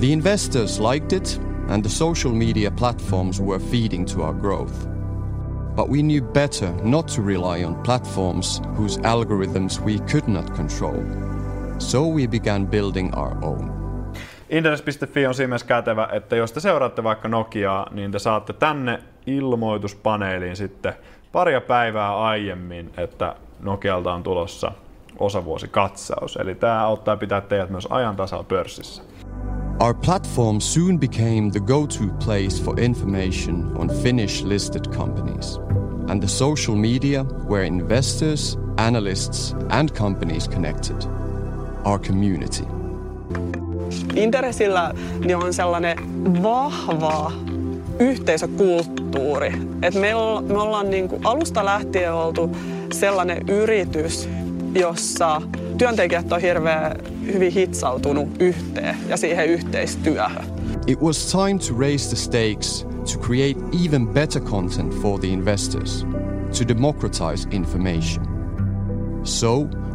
The investors liked it. The social media platforms were feeding to our growth. We knew better not to rely on platforms whose algorithms we could not control. We began building our own. Inderes.fi on siinä mielessä kätevä, että jos te seuraatte vaikka Nokiaa, niin te saatte tänne ilmoituspaneeliin sitten paria päivää aiemmin, että Nokialta on tulossa osavuosikatsaus. Tää auttaa pitämään teidät myös ajan tasalla pörssissä. Our platform soon became the go-to place for information on Finnish listed companies and the social media where investors, analysts, and companies connected: our community. Inderesillä, niin on sellainen vahva yhteisökulttuuri, et me ollaan niinku alusta lähtien oltu sellainen yritys, jossa työntekijät on hirveen hyvin hitsautunut yhteen ja siihen yhteistyöhön. It was time to raise the stakes to create even better content for the investors, to democratize information.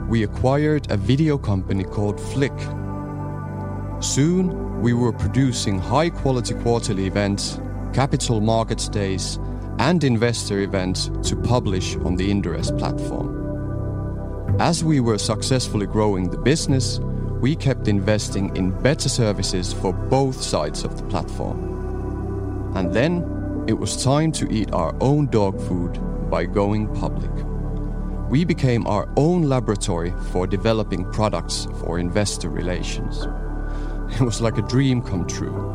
We acquired a video company called FLIK. Soon, we were producing high-quality quarterly events, capital markets days, and investor events to publish on the Inderes platform. As we were successfully growing the business, we kept investing in better services for both sides of the platform. It was time to eat our own dog food by going public. We became our own laboratory for developing products for investor relations. It was like a dream come true.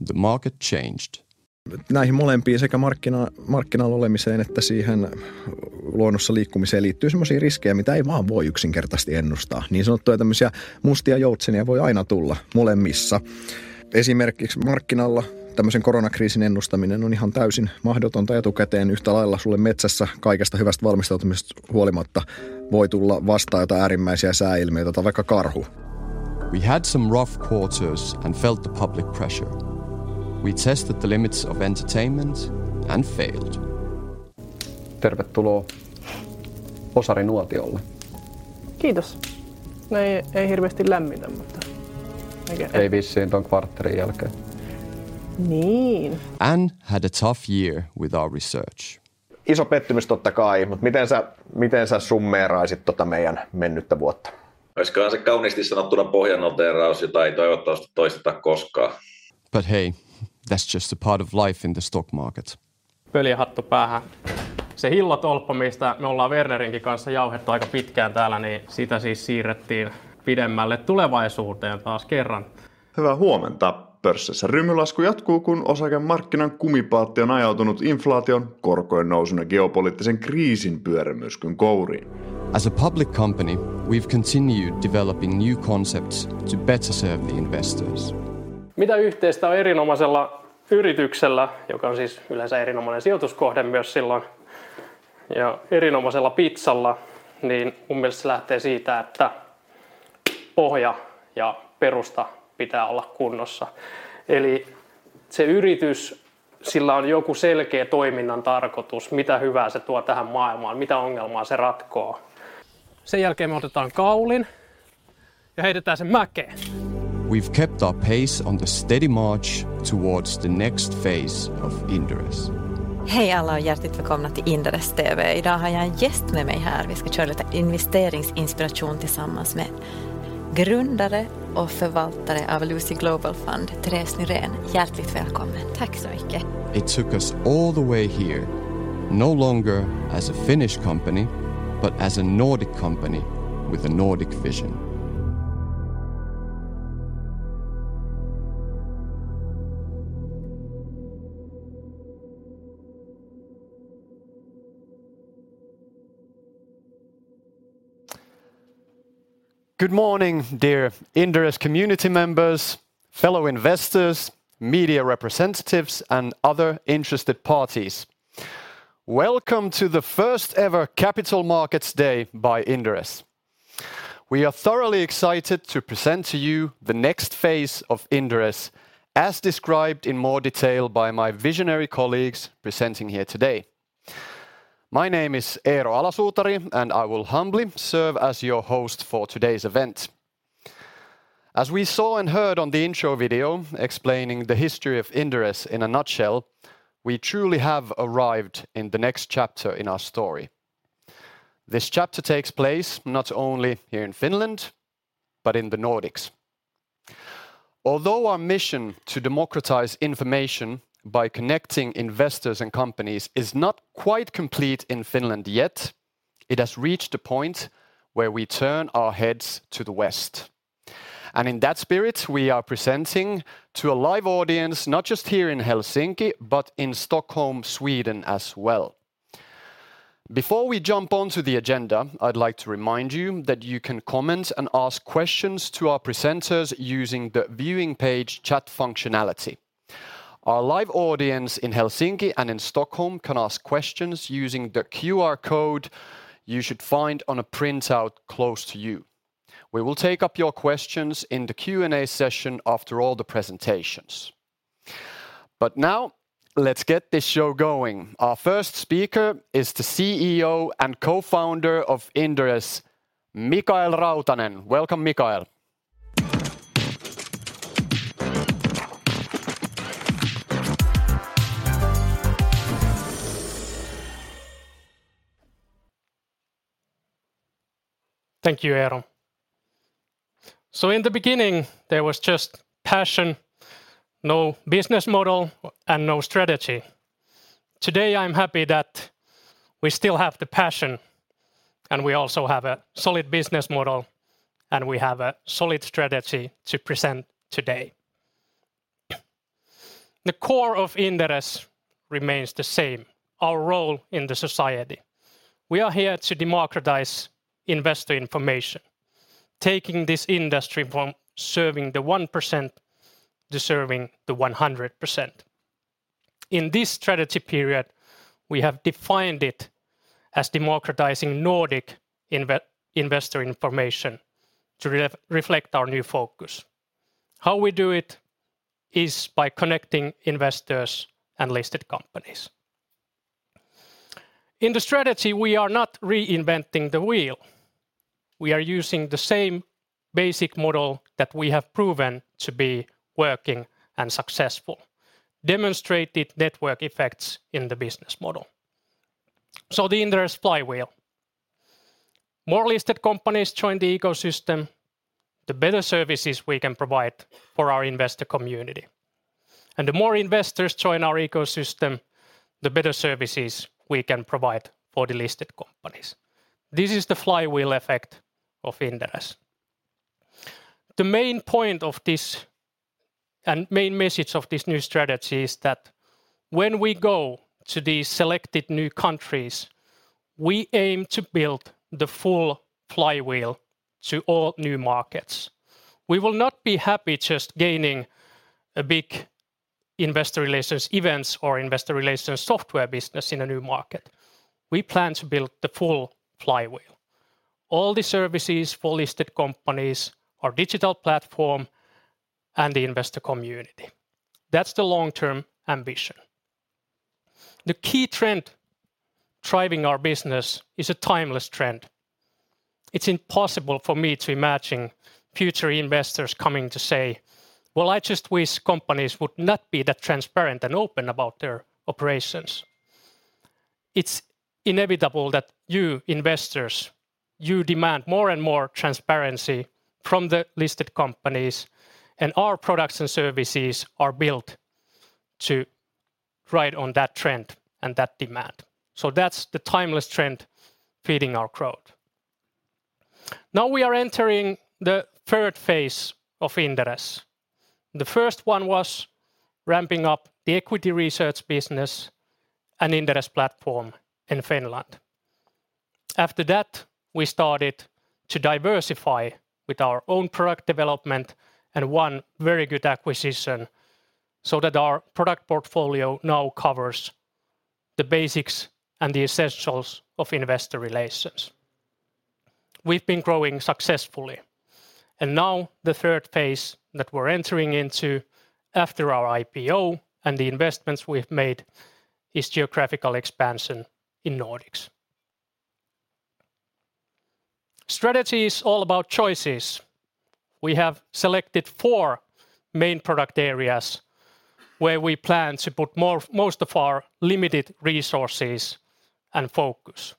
The market changed. Näihin molempiin, sekä markkinalla olemiseen että siihen luonnossa liikkumiseen, liittyy semmoisia riskejä, mitä ei vaan voi yksinkertaisesti ennustaa. Niin sanottuja tämmöisiä mustia joutsenia voi aina tulla molemmissa. Esimerkiksi markkinalla tämmöisen koronakriisin ennustaminen on ihan täysin mahdotonta etukäteen. Yhtä lailla sulle metsässä, kaikesta hyvästä valmistautumisesta huolimatta, voi tulla vastaan joitain äärimmäisiä sääilmiöitä tai vaikka karhu. We had some rough quarters and felt the public pressure. We tested the limits of entertainment and failed. Tervetuloa osarinuotiolle! Kiitos. Nää ei hirveästi lämmitä, mutta... Ei vissiin ton kvartterin jälkeen. Niin. Anne had a tough year with our research. Iso pettymys, totta kai, mut miten sä, miten sä summeeraisit tota meidän mennyttä vuotta? Oiskohan se kauniisti sanottuna pohjanoteeraus, jota ei toivottavasti toisteta koskaan. Hey, that's just a part of life in the stock market. Pölyhattu päähän. Se hillatolppa, mistä me ollaan Vernerin kanssa jauhettu aika pitkään täällä, niin sitä siis siirrettiin pidemmälle tulevaisuuteen taas kerran. Hyvää huomenta! Pörssissä rymylasku jatkuu, kun osakemarkkinan kumipaatti on ajautunut inflaation, korkojen nousun ja geopoliittisen kriisin pyörremyrskyn kouriin. As a public company, we've continued developing new concepts to better serve the investors. Mitä yhteistä on erinomaisella yrityksellä, joka on siis yleensä erinomainen sijoituskohde myös silloin, ja erinomaisella pizzalla? Mun mielestä se lähtee siitä, että pohja ja perusta pitää olla kunnossa. Se yritys, sillä on joku selkeä toiminnan tarkoitus, mitä hyvää se tuo tähän maailmaan? Mitä ongelmaa se ratkoo? Sen jälkeen me otetaan kaulin ja heitetään se mäkeen. We've kept our pace on the steady march towards the next phase of Inderes. Hei alla och hjärtligt välkomna till InderesTV. Idag har jag en gäst med mig här. Vi ska köra lite investeringsinspiration tillsammans med grundare och förvaltare av Lucy Global Fund, Therese Nyrén. Hjärtligt välkommen! Tack så mycket. It took us all the way here, no longer as a Finnish company, but as a Nordic company with a Nordic vision. Good morning, dear Inderes community members, fellow investors, media representatives, and other interested parties. Welcome to the first ever Capital Markets Day by Inderes. We are thoroughly excited to present to you the next phase of Inderes, as described in more detail by my visionary colleagues presenting here today. My name is Eero Alasuutari, and I will humbly serve as your host for today's event. As we saw and heard on the intro video explaining the history of Inderes in a nutshell, we truly have arrived in the next chapter in our story. This chapter takes place not only here in Finland, but in the Nordics. Our mission to democratize information by connecting investors and companies is not quite complete in Finland yet, it has reached a point where we turn our heads to the West. In that spirit, we are presenting to a live audience, not just here in Helsinki, but in Stockholm, Sweden, as well. Before we jump onto the agenda, I'd like to remind you that you can comment and ask questions to our presenters using the viewing page chat functionality. Our live audience in Helsinki and in Stockholm can ask questions using the QR code you should find on a printout close to you. We will take up your questions in the Q&A session after all the presentations. Now, let's get this show going! Our first speaker is the CEO and Co-founder of Inderes, Mikael Rautanen. Welcome, Mikael. Thank you, Eero. In the beginning, there was just passion, no business model, and no strategy. Today, I'm happy that we still have the passion, and we also have a solid business model, and we have a solid strategy to present today. The core of Inderes remains the same, our role in the society. We are here to democratize investor information, taking this industry from serving the 1% to serving the 100%. In this strategy period, we have defined it as democratizing Nordic investor information to reflect our new focus. How we do it is by connecting investors and listed companies. In the strategy, we are not reinventing the wheel. We are using the same basic model that we have proven to be working and successful, demonstrated network effects in the business model. The Inderes flywheel. More listed companies join the ecosystem, the better services we can provide for our investor community. The more investors join our ecosystem, the better services we can provide for the listed companies. This is the flywheel effect of Inderes. The main point of this, and main message of this new strategy, is that when we go to the selected new countries, we aim to build the full flywheel to all new markets. We will not be happy just gaining a big investor relations events or investor relations software business in a new market. We plan to build the full flywheel. All the services for listed companies, our digital platform, and the investor community. That's the long-term ambition. The key trend driving our business is a timeless trend. It's impossible for me to imagine future investors coming to say, "Well, I just wish companies would not be that transparent and open about their operations." It's inevitable that you, investors, you demand more and more transparency from the listed companies, and our products and services are built to ride on that trend and that demand. That's the timeless trend feeding our growth. Now we are entering the third phase of Inderes. The first one was ramping up the equity research business and Inderes platform in Finland. After that, we started to diversify with our own product development and one very good acquisition, so that our product portfolio now covers the basics and the essentials of investor relations. We've been growing successfully, and now the third phase that we're entering into after our IPO and the investments we've made is geographical expansion in Nordics. Strategy is all about choices. We have selected four main product areas where we plan to put most of our limited resources and focus.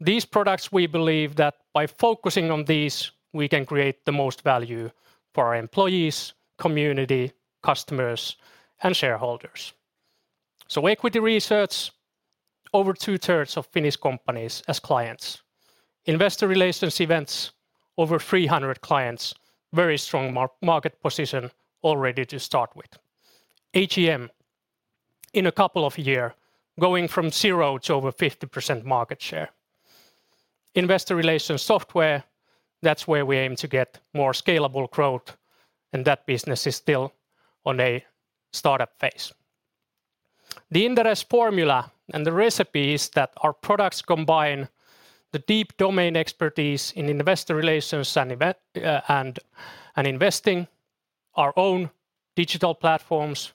These products, we believe that by focusing on these, we can create the most value for our employees, community, customers, and shareholders. Equity research, over 2/3 of Finnish companies as clients. Investor relations events, over 300 clients, very strong market position already to start with. AGM, in a couple of year, going from 0 to over 50% market share. Investor relations software, that's where we aim to get more scalable growth, and that business is still on a startup phase. The Inderes formula and the recipe is that our products combine the deep domain expertise in investor relations and investing, our own digital platforms,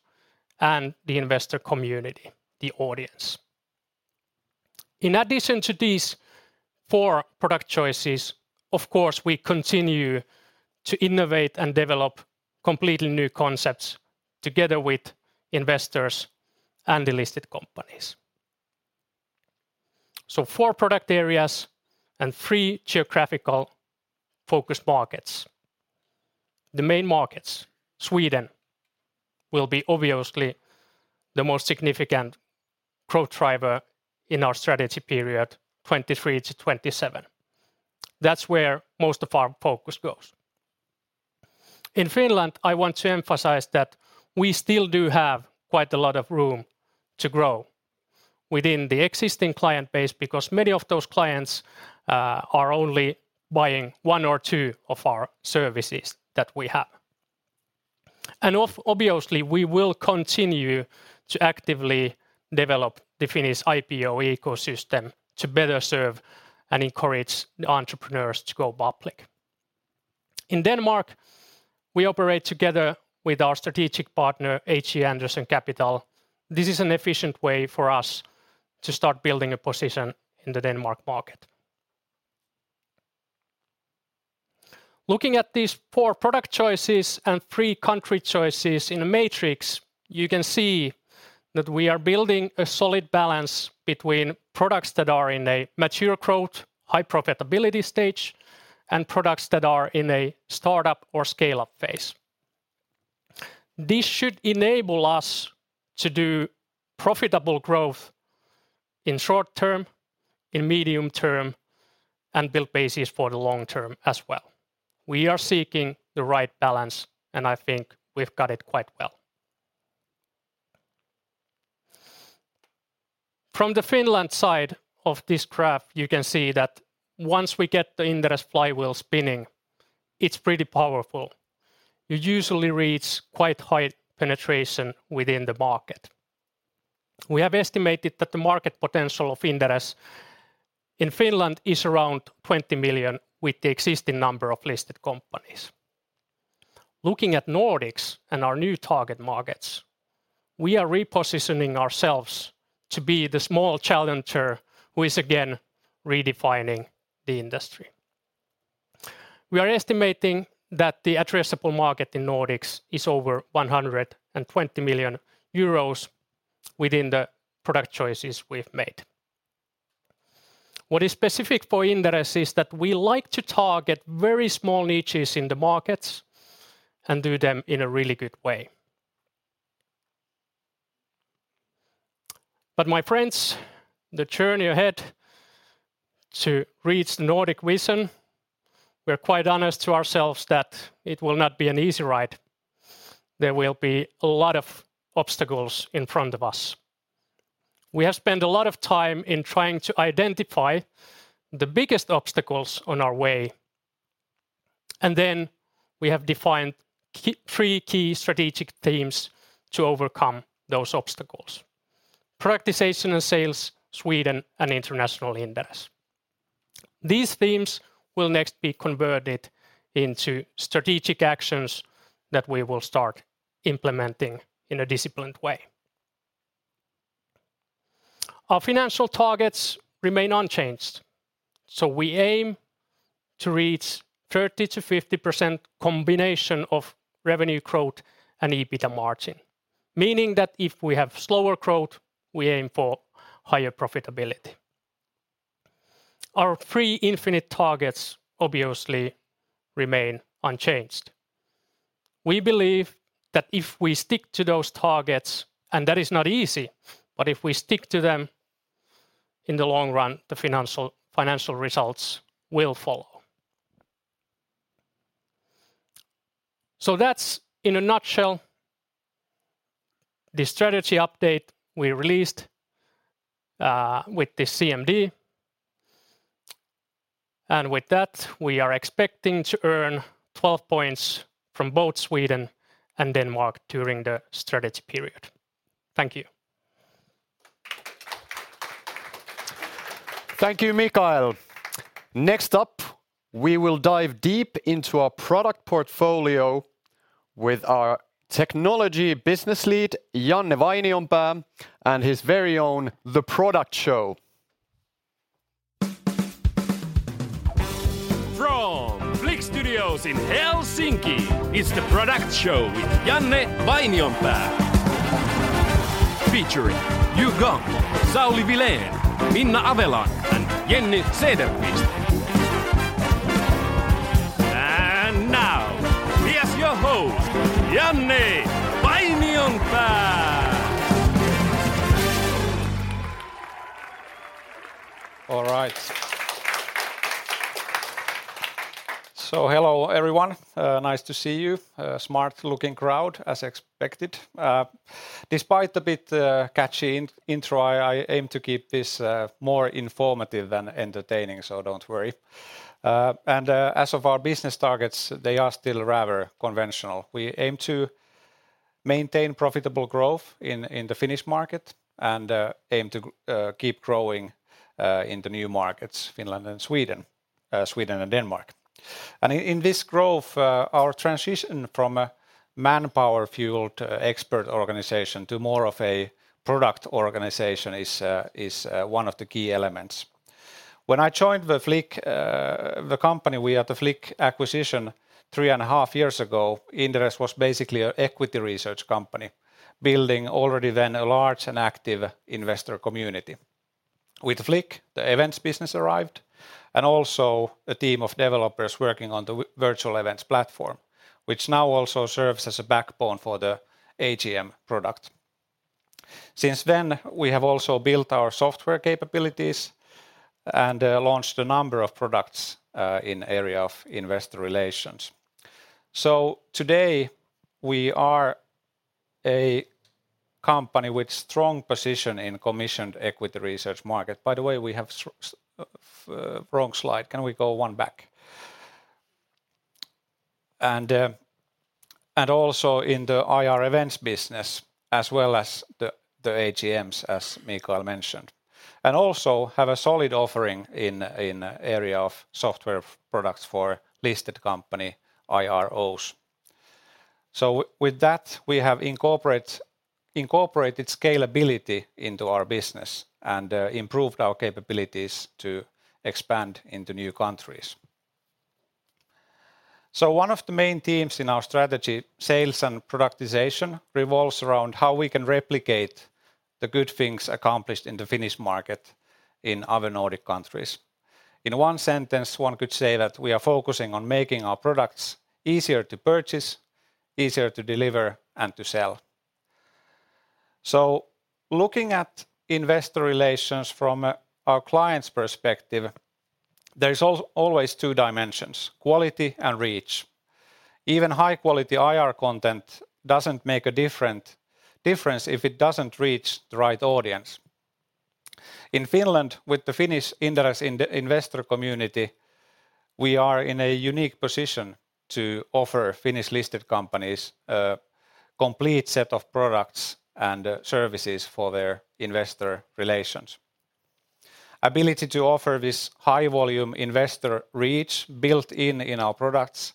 and the investor community, the audience. In addition to these four product choices, of course, we continue to innovate and develop completely new concepts together with investors and the listed companies. Four product areas and three geographical focus markets. The main markets: Sweden will be obviously the most significant growth driver in our strategy period, 2023-2027. That's where most of our focus goes. In Finland, I want to emphasize that we still do have quite a lot of room to grow within the existing client base, because many of those clients are only buying one or two of our services that we have. Obviously, we will continue to actively develop the Finnish IPO ecosystem to better serve and encourage entrepreneurs to go public. In Denmark, we operate together with our strategic partner, HC Andersen Capital. This is an efficient way for us to start building a position in the Denmark market. Looking at these four product choices and three country choices in a matrix, you can see that we are building a solid balance between products that are in a mature growth, high profitability stage, and products that are in a startup or scale-up phase. This should enable us to do profitable growth in short term, in medium term, and build basis for the long term as well. We are seeking the right balance, and I think we've got it quite well. From the Finland side of this graph, you can see that once we get the Inderes flywheel spinning, it's pretty powerful. You usually reach quite high penetration within the market. We have estimated that the market potential of Inderes in Finland is around 20 million, with the existing number of listed companies. Looking at Nordics and our new target markets, we are repositioning ourselves to be the small challenger who is again redefining the industry. We are estimating that the addressable market in Nordics is over 120 million euros within the product choices we've made. What is specific for Inderes is that we like to target very small niches in the markets and do them in a really good way. My friends, the journey ahead to reach the Nordic vision, we're quite honest to ourselves that it will not be an easy ride. There will be a lot of obstacles in front of us. We have spent a lot of time in trying to identify the biggest obstacles on our way, and then we have defined three key strategic themes to overcome those obstacles: productization and sales, Sweden, and international Inderes. These themes will next be converted into strategic actions that we will start implementing in a disciplined way. Our financial targets remain unchanged, so we aim to reach 30%-50% combination of revenue growth and EBITDA margin, meaning that if we have slower growth, we aim for higher profitability. Our three infinite targets obviously remain unchanged. We believe that if we stick to those targets, and that is not easy, but if we stick to them, in the long run, the financial results will follow. That's in a nutshell, the strategy update we released with the CMD. With that, we are expecting to earn 12 points from both Sweden and Denmark during the strategy period. Thank you. Thank you, Mikael. Next up, we will dive deep into our product portfolio with our Technology Business Lead, Janne Vainionpää, and his very own The Product Show. From FLIK Studios in Helsinki, it's The Product Show with Janne Vainionpää. Featuring Yu Gong, Sauli Vilén, Minna Avellan, and Jenny Cederqvist. Now, here's your host, Janne Vainionpää! All right. Hello, everyone. Nice to see you. A smart-looking crowd, as expected. Despite the bit catchy in-intro, I aim to keep this more informative than entertaining, so don't worry. As of our business targets, they are still rather conventional. We aim to maintain profitable growth in the Finnish market and aim to keep growing in the new markets, Finland and Sweden and Denmark. In this growth, our transition from a manpower-fueled expert organization to more of a product organization is one of the key elements. When I joined the FLIK, the company, we had the FLIK acquisition three and a half years ago. Inderes was basically an equity research company, building already then a large and active investor community. With FLIK, the events business arrived, and also a team of developers working on the virtual events platform, which now also serves as a backbone for the AGM product. Since then, we have also built our software capabilities and launched a number of products in area of investor relations. Today we are a company with strong position in commissioned equity research market. By the way, we have wrong slide. Can we go one back? Also in the IR events business, as well as the AGMs, as Mikael mentioned. Also have a solid offering in area of software products for listed company IROs. With that, we have incorporated scalability into our business and improved our capabilities to expand into new countries. One of the main themes in our strategy, sales and productization, revolves around how we can replicate the good things accomplished in the Finnish market in other Nordic countries. In one sentence, one could say that we are focusing on making our products easier to purchase, easier to deliver, and to sell. Looking at investor relations from our client's perspective, there is always 2 dimensions: quality and reach. Even high-quality IR content doesn't make a difference if it doesn't reach the right audience. In Finland, with the Finnish Inderes Investor community, we are in a unique position to offer Finnish-listed companies a complete set of products and services for their investor relations. Ability to offer this high-volume investor reach built in our products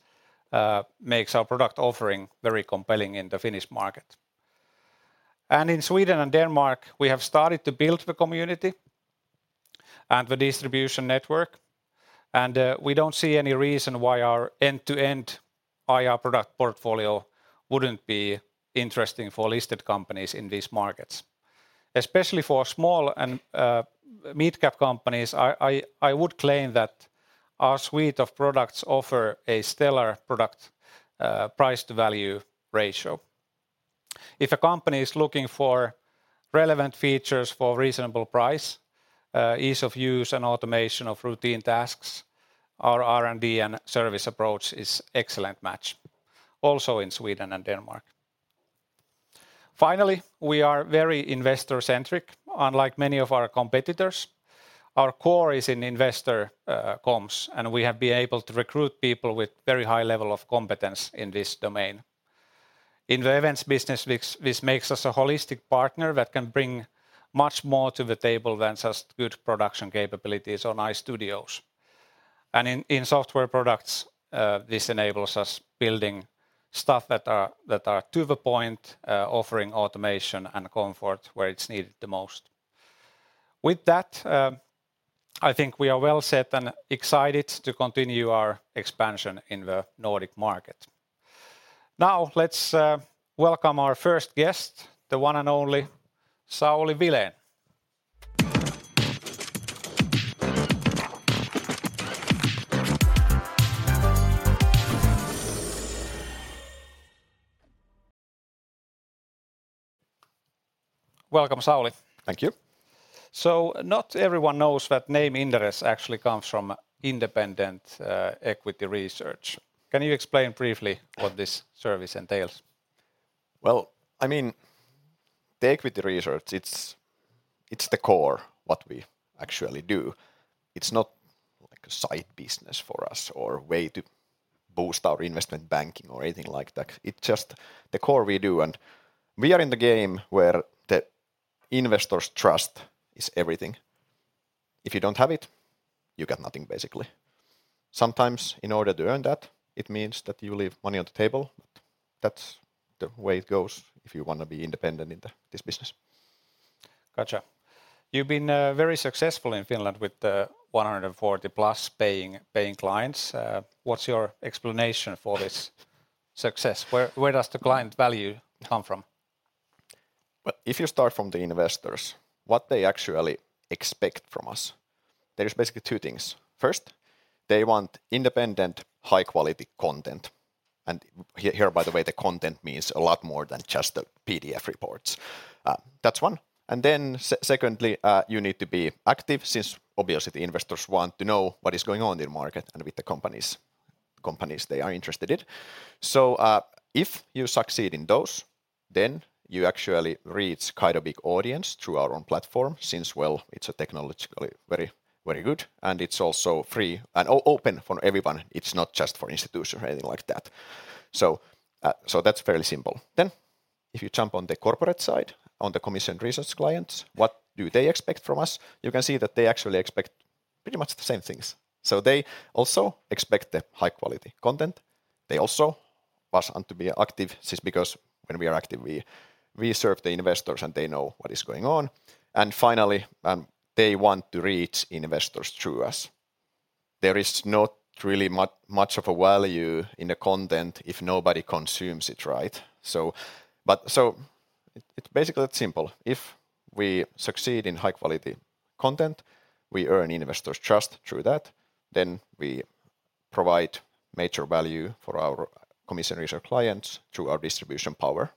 makes our product offering very compelling in the Finnish market. In Sweden and Denmark, we have started to build the community and the distribution network, and we don't see any reason why our end-to-end IR product portfolio wouldn't be interesting for listed companies in these markets. Especially for small and mid-cap companies, I would claim that our suite of products offer a stellar product, price-to-value ratio. If a company is looking for relevant features for reasonable price, ease of use, and automation of routine tasks, our R&D and service approach is excellent match, also in Sweden and Denmark. Finally, we are very investor-centric, unlike many of our competitors. Our core is in investor, comms, and we have been able to recruit people with very high level of competence in this domain. In the events business, which makes us a holistic partner that can bring much more to the table than just good production capabilities or nice studios. In software products, this enables us building stuff that are to the point, offering automation and comfort where it's needed the most. With that, I think we are well set and excited to continue our expansion in the Nordic market. Let's welcome our first guest, the one and only Sauli Vilén. Welcome, Sauli. Thank you. Not everyone knows that name Inderes actually comes from independent equity research. Can you explain briefly what this service entails? Well, I mean, the equity research, it's the core, what we actually do. It's not like a side business for us or way to boost our investment banking or anything like that. It's just the core we do. We are in the game where the investors' trust is everything. If you don't have it, you get nothing, basically. Sometimes in order to earn that, it means that you leave money on the table. That's the way it goes if you wanna be independent in this business. Gotcha. You've been very successful in Finland with 140+ paying clients. What's your explanation for this success? Where does the client value come from? Well, if you start from the investors, what they actually expect from us, there is basically two things. First, they want independent, high-quality content, and here, by the way, the content means a lot more than just the PDF reports. That's one, and then secondly, you need to be active, since obviously the investors want to know what is going on in the market and with the companies they are interested in. If you succeed in those, then you actually reach quite a big audience through our own platform, since, well, it's a technologically very, very good, and it's also free and open for everyone. It's not just for institutions or anything like that. That's fairly simple. If you jump on the corporate side, on the commission research clients, what do they expect from us? You can see that they actually expect pretty much the same things. They also expect the high-quality content. They also want us to be active, since because when we are active, we serve the investors, and they know what is going on. Finally, they want to reach investors through us. There is not really much of a value in the content if nobody consumes it, right? It's basically simple. If we succeed in high-quality content, we earn investors' trust through that, then we provide major value for our commission research clients through our distribution power.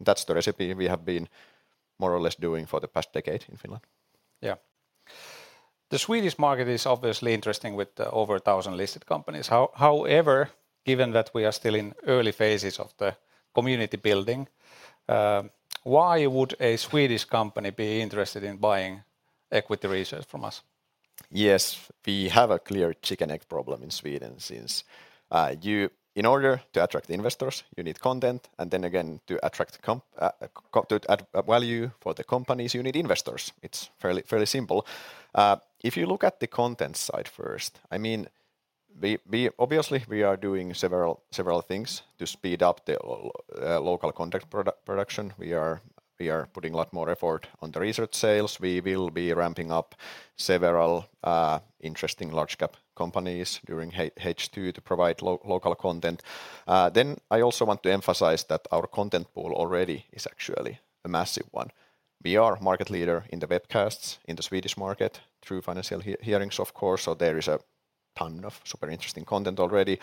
That's the recipe we have been more or less doing for the past decade in Finland. Yeah. The Swedish market is obviously interesting with over 1,000 listed companies. However, given that we are still in early phases of the community building, why would a Swedish company be interested in buying equity research from us? We have a clear chicken-egg problem in Sweden, since in order to attract investors, you need content, and then again, to attract to add value for the companies, you need investors. It's fairly simple. If you look at the content side first, I mean, we obviously we are doing several things to speed up the local content production. We are, we are putting a lot more effort on the research sales. We will be ramping up several interesting large cap companies during H2 to provide local content. Then I also want to emphasize that our content pool already is actually a massive one. We are market leader in the webcasts in the Swedish market through Financial Hearings, of course, so there is a ton of super interesting content already.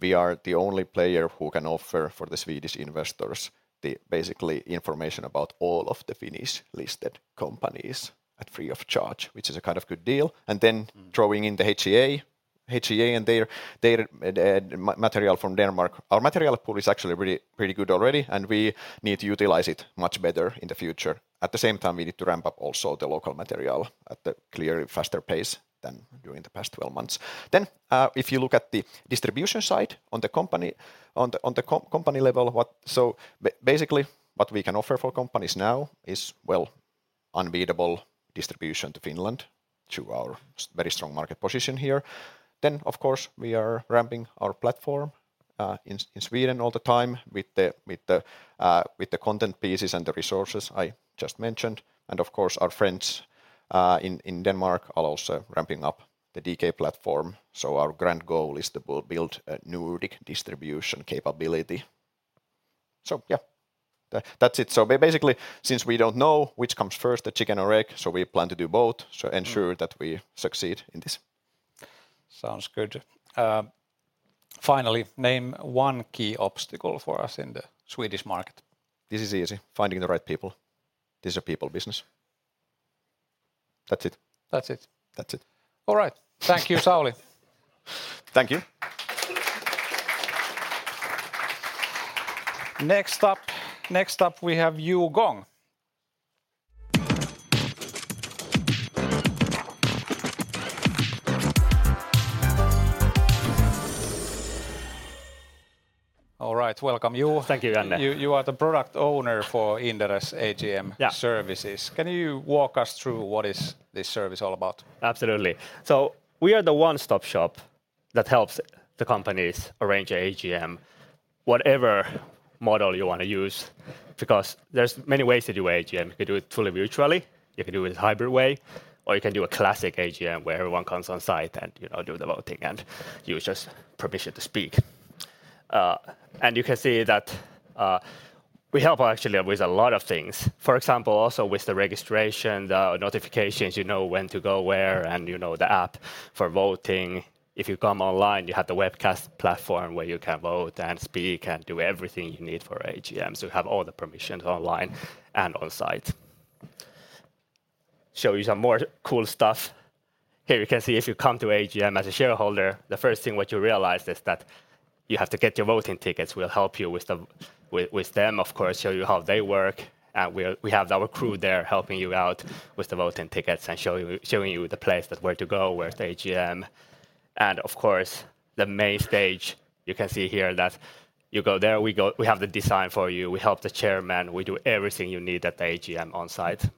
We are the only player who can offer for the Swedish investors the basically information about all of the Finnish-listed companies at free of charge, which is a kind of good deal. Mm. Throwing in the HGA, and their data, material from Denmark, our material pool is actually really pretty good already, and we need to utilize it much better in the future. At the same time, we need to ramp up also the local material at a clearly faster pace than during the past 12 months. If you look at the distribution side on the company, on the company level, basically, what we can offer for companies now is, well, unbeatable distribution to Finland, through our very strong market position here. Of course, we are ramping our platform in Sweden all the time with the content pieces and the resources I just mentioned. Of course, our friends in Denmark are also ramping up the DK platform. Our grand goal is to build a Nordic distribution capability. Yeah, that's it. Basically, since we don't know which comes first, the chicken or egg, so we plan to do both. Mm That we succeed in this. Sounds good. Finally, name one key obstacle for us in the Swedish market. This is easy: finding the right people. This is a people business. That's it. That's it? That's it. All right. Thank you, Sauli. Thank you. Next up, we have Yu Gong. Right, welcome, Yu. Thank you, Janne. You are the product owner for Inderes AGM. Yeah Services. Can you walk us through what is this service all about? Absolutely. We are the one-stop shop that helps the companies arrange AGM, whatever model you wanna use, because there's many ways to do AGM. You can do it fully virtually, you can do it hybrid way, or you can do a classic AGM, where everyone comes on-site and, you know, do the voting, and you just permission to speak. You can see that we help actually with a lot of things. For example, also with the registration, the notifications, you know when to go where, and you know the app for voting. If you come online, you have the webcast platform, where you can vote and speak and do everything you need for AGM, so you have all the permissions online and on-site. Show you some more cool stuff. Here, you can see if you come to AGM as a shareholder, the first thing what you realize is that you have to get your voting tickets. We'll help you with them, of course, show you how they work. We have our crew there helping you out with the voting tickets and showing you the place that where to go, where's the AGM. Of course, the main stage, you can see here that you go there, We have the design for you. We help the chairman. We do everything you need at the AGM on-site.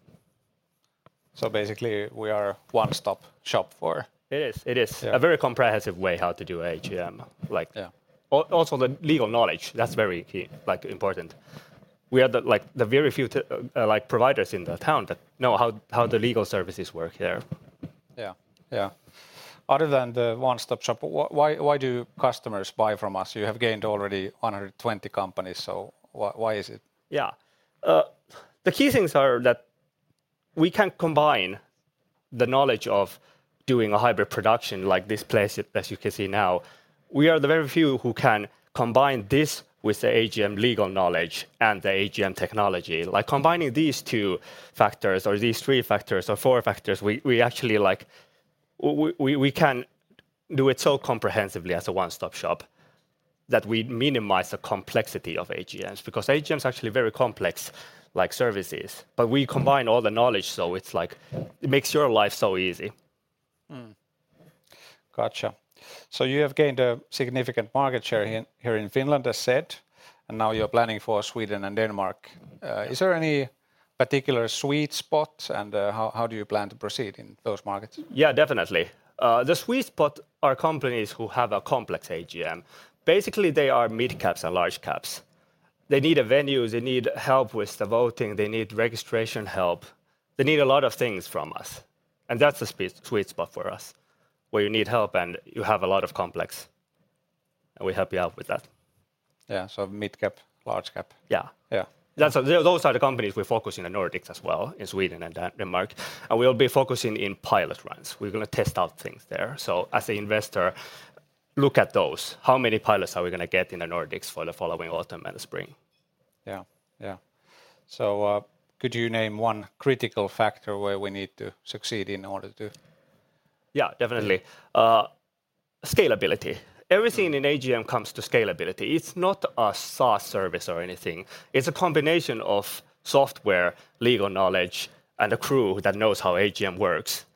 Basically, we are one-stop shop. It is, it is. Yeah. A very comprehensive way how to do AGM, like- Yeah Also the legal knowledge, that's very key, like, important. We are the, like, the very few like, providers in the town that know how the legal services work here. Yeah, yeah. Other than the one-stop shop, why do customers buy from us? You have gained already 120 companies, so why is it? Yeah. The key things are that we can combine the knowledge of doing a hybrid production like this place, as you can see now. We are the very few who can combine this with the AGM legal knowledge and the AGM technology. Like, combining these two factors or these three factors or these four factors, we actually, like we can do it so comprehensively as a one-stop shop that we minimize the complexity of AGMs. AGM's actually very complex, like, services, we combine all the knowledge, it's like, it makes your life so easy. Gotcha. You have gained a significant market share here in Finland, as said, and now you're planning for Sweden and Denmark. Mm. Is there any particular sweet spot, and how do you plan to proceed in those markets? Definitely. The sweet spot are companies who have a complex AGM. They are mid caps and large caps. They need a venue. They need help with the voting. They need registration help. They need a lot of things from us. That's the sweet spot for us, where you need help, and you have a lot of complex, and we help you out with that. Yeah, mid cap, large cap. Yeah. Yeah. Those are the companies we're focusing in the Nordics as well, in Sweden and Denmark, and we'll be focusing in pilot runs. We're gonna test out things there. As a investor, look at those. How many pilots are we gonna get in the Nordics for the following autumn and spring? Yeah, could you name one critical factor where we need to succeed in order to? Yeah, definitely. Scalability. Everything in AGM comes to scalability. It's not a SaaS service or anything, it's a combination of software, legal knowledge, and a crew that knows how AGM works.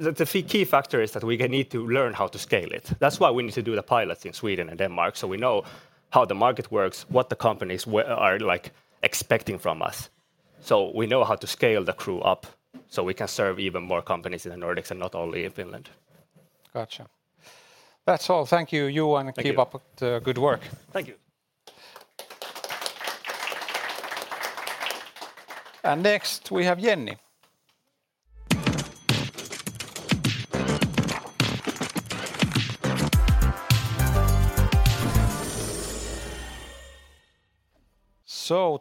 The key factor is that we're gonna need to learn how to scale it. That's why we need to do the pilots in Sweden and Denmark, so we know how the market works, what the companies are, like, expecting from us, so we know how to scale the crew up, so we can serve even more companies in the Nordics and not only in Finland. Gotcha. That's all. Thank you, Yu-. Thank you. And keep up the good work. Thank you. Next, we have Jenny.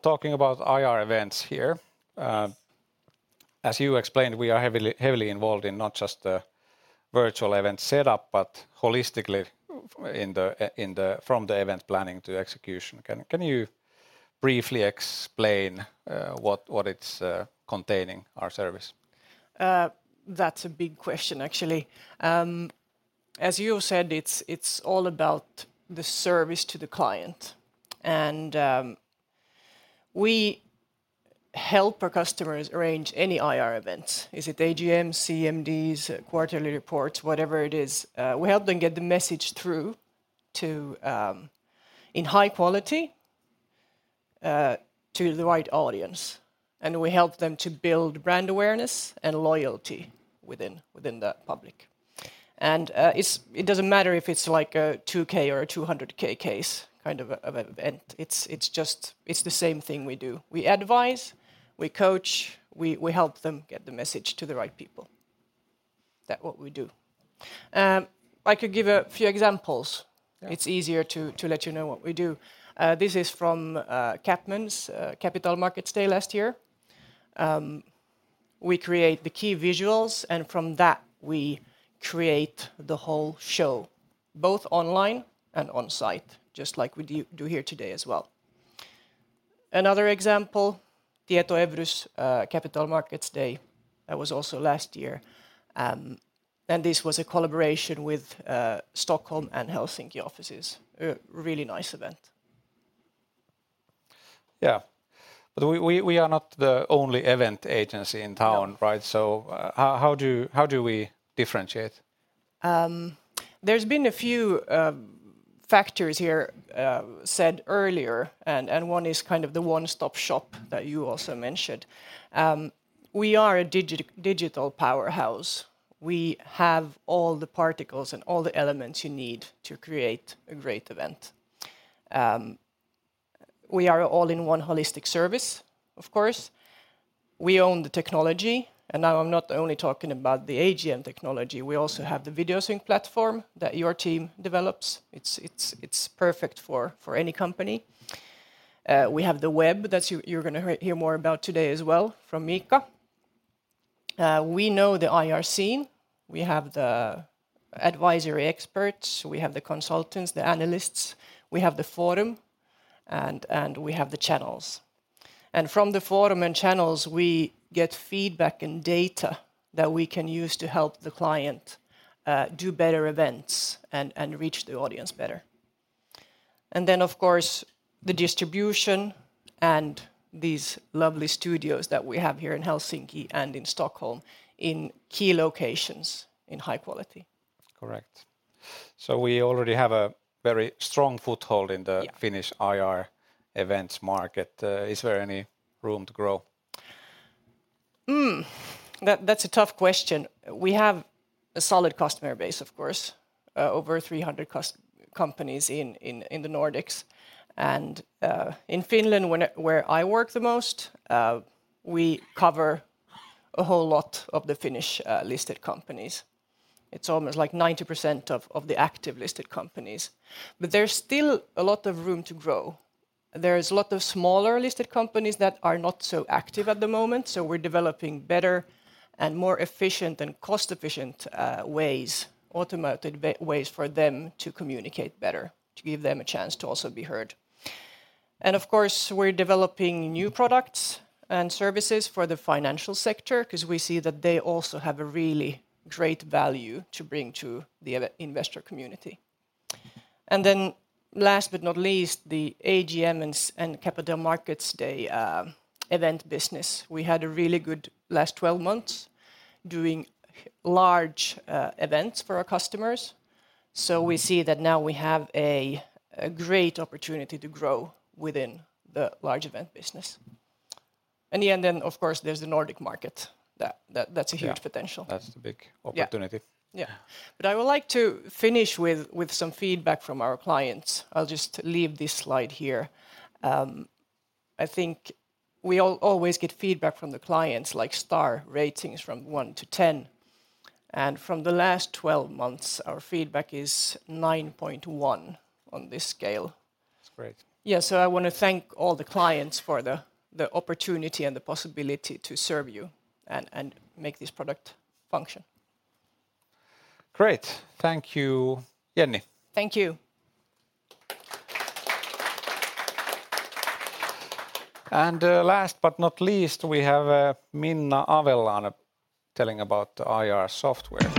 Talking about IR events here. As you explained, we are heavily involved in not just the virtual event setup, but holistically in the from the event planning to execution. Can you briefly explain what it's containing, our service? That's a big question, actually. As you said, it's all about the service to the client. We help our customers arrange any IR events, is it AGM, CMDs, quarterly reports, whatever it is, we help them get the message through to in high quality to the right audience, and we help them to build brand awareness and loyalty within the public. It doesn't matter if it's, like, a 2,000 or a 200,000 case, kind of an event, it's just, it's the same thing we do. We advise, we coach, we help them get the message to the right people. That what we do. I could give a few examples. Yeah It's easier to let you know what we do. This is from CapMan's Capital Markets Day last year. We create the key visuals, and from that, we create the whole show, both online and on-site, just like we do here today as well. Another example, Tietoevry's Capital Markets Day, that was also last year. This was a collaboration with Stockholm and Helsinki offices. A really nice event. Yeah. We are not the only event agency in town. No Right? How do we differentiate? There's been a few factors here, said earlier, and one is kind of the one-stop shop that you also mentioned. We are a digital powerhouse. We have all the particles and all the elements you need to create a great event. We are all-in-one holistic service, of course. We own the technology, and now I'm not only talking about the AGM technology, we also have the VideoSync platform that your team develops. It's perfect for any company. We have the web, that you're gonna hear more about today as well from Miikka. We know the IR scene, we have the advisory experts, we have the consultants, the analysts, we have the forum, and we have the channels. From the forum and channels, we get feedback and data that we can use to help the client, do better events and reach the audience better. Of course, the distribution and these lovely studios that we have here in Helsinki and in Stockholm, in key locations, in high quality. Correct. We already have a very strong foothold in the. Yeah Finnish IR events market. Is there any room to grow? That's a tough question. We have a solid customer base, of course, over 300 companies in the Nordics. In Finland, where I work the most, we cover a whole lot of the Finnish listed companies. It's almost like 90% of the active listed companies. There's still a lot of room to grow. There is a lot of smaller listed companies that are not so active at the moment, so we're developing better and more efficient and cost-efficient ways, automated ways for them to communicate better, to give them a chance to also be heard. Of course, we're developing new products and services for the financial sector, 'cause we see that they also have a really great value to bring to the other investor community. Last but not least, the AGM and Capital Markets Day event business. We had a really good last 12 months doing large events for our customers, so we see that now we have a great opportunity to grow within the large event business. In the end, of course, there's the Nordic market, that's a huge potential. That's the big opportunity. I would like to finish with some feedback from our clients. I'll just leave this slide here. I think we always get feedback from the clients, like star ratings from one to 10, and from the last 12 months, our feedback is 9.1 on this scale. That's great. Yeah, I wanna thank all the clients for the opportunity and the possibility to serve you and make this product function. Great. Thank you, Jenny. Thank you. Last but not least, we have Minna Avellan telling about the IR software.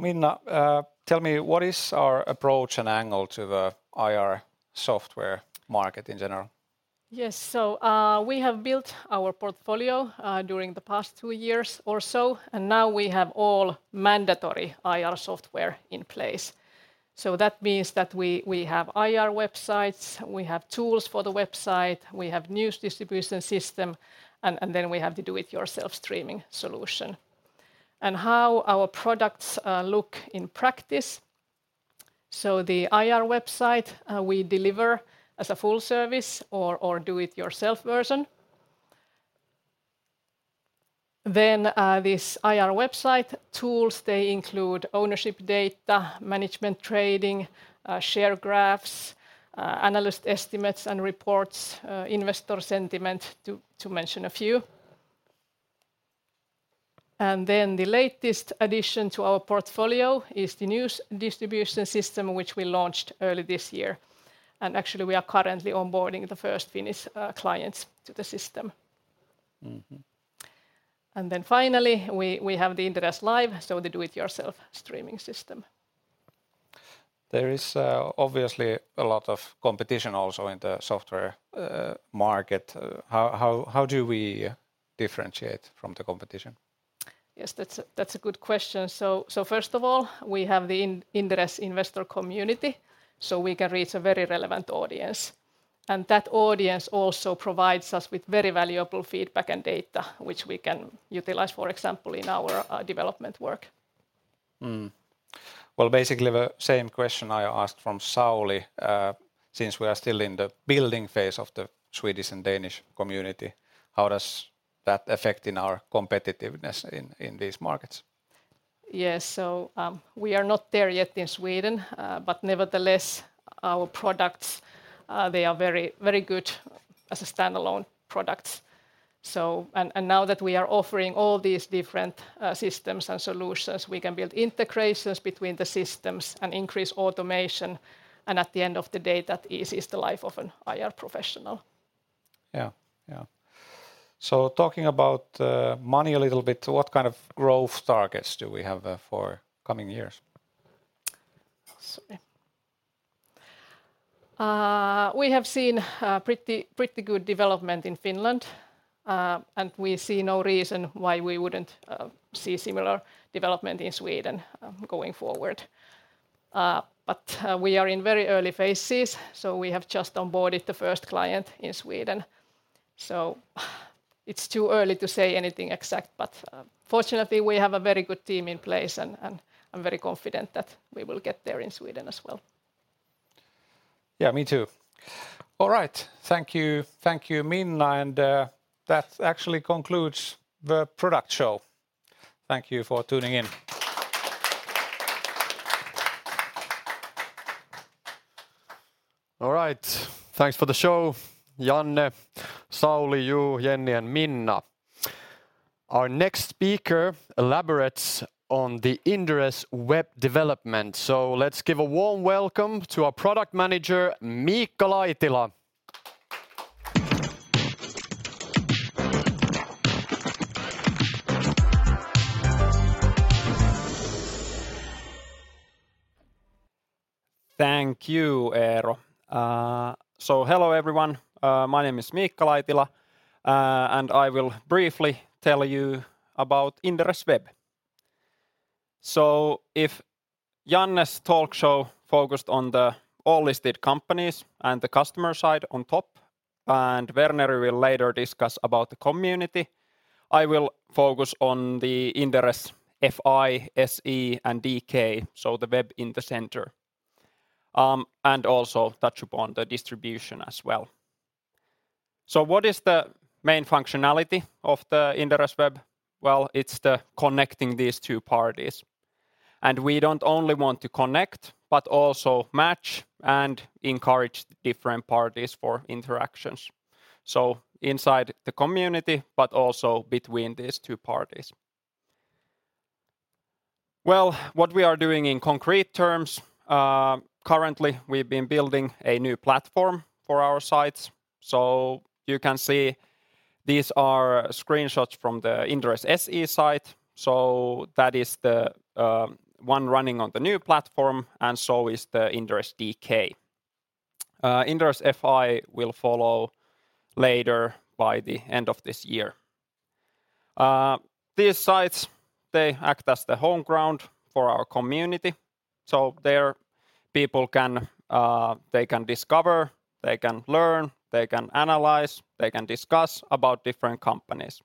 Minna, tell me, what is our approach and angle to the IR software market in general? We have built our portfolio during the past two years or so, and now we have all mandatory IR software in place. That means that we have IR websites, we have tools for the website, we have news distribution system, and then we have the do-it-yourself streaming solution. How our products look in practice, the IR website we deliver as a full service or do it yourself version. This IR website tools, they include ownership data, management trading, share graphs, analyst estimates and reports, investor sentiment, to mention a few. The latest addition to our portfolio is the news distribution system, which we launched early this year, and actually, we are currently onboarding the first Finnish clients to the system. Mm-hmm. Finally, we have the Inderes Live, so the do-it-yourself streaming system. There is, obviously a lot of competition also in the software, market. How do we differentiate from the competition? Yes, that's a, that's a good question. First of all, we have the Inderes investor community, so we can reach a very relevant audience, and that audience also provides us with very valuable feedback and data, which we can utilize, for example, in our development work. Well, basically the same question I asked from Sauli, since we are still in the building phase of the Swedish and Danish community, how does that affect in our competitiveness in these markets? Yes, we are not there yet in Sweden, but nevertheless, our products, they are very, very good as a standalone product. Now that we are offering all these different systems and solutions, we can build integrations between the systems and increase automation, and at the end of the day, that eases the life of an IR professional. Yeah. Yeah. Talking about money a little bit, what kind of growth targets do we have for coming years? We have seen pretty good development in Finland, and we see no reason why we wouldn't see similar development in Sweden going forward. We are in very early phases, so we have just onboarded the first client in Sweden, so it's too early to say anything exact, but fortunately, we have a very good team in place, and I'm very confident that we will get there in Sweden as well. Yeah, me too. All right. Thank you. Thank you, Minna. That actually concludes The Product Show. Thank you for tuning in. All right. Thanks for the show, Janne, Sauli, you, Jenny, and Minna. Our next speaker elaborates on the Inderes Web development. Let's give a warm welcome to our product manager, Miikka Laitila. Thank you, Eero. Hello, everyone, my name is Miikka Laitila, and I will briefly tell you about Inderes Web. If Janne's talk show focused on the all listed companies and the customer side on top, and Verneri will later discuss about the community, I will focus on the Inderes FI, SE, and DK, so the web in the center, and also touch upon the distribution as well. What is the main functionality of the Inderes Web? Well, it's the connecting these two parties, and we don't only want to connect, but also match and encourage the different parties for interactions, so inside the community, but also between these two parties. Well, what we are doing in concrete terms, currently, we've been building a new platform for our sites. You can see these are screenshots from the Inderes SE site, that is the one running on the new platform, and so is the Inderes DK. Inderes FI will follow later by the end of this year. These sites, they act as the home ground for our community, there people can discover, they can learn, they can analyze, they can discuss about different companies.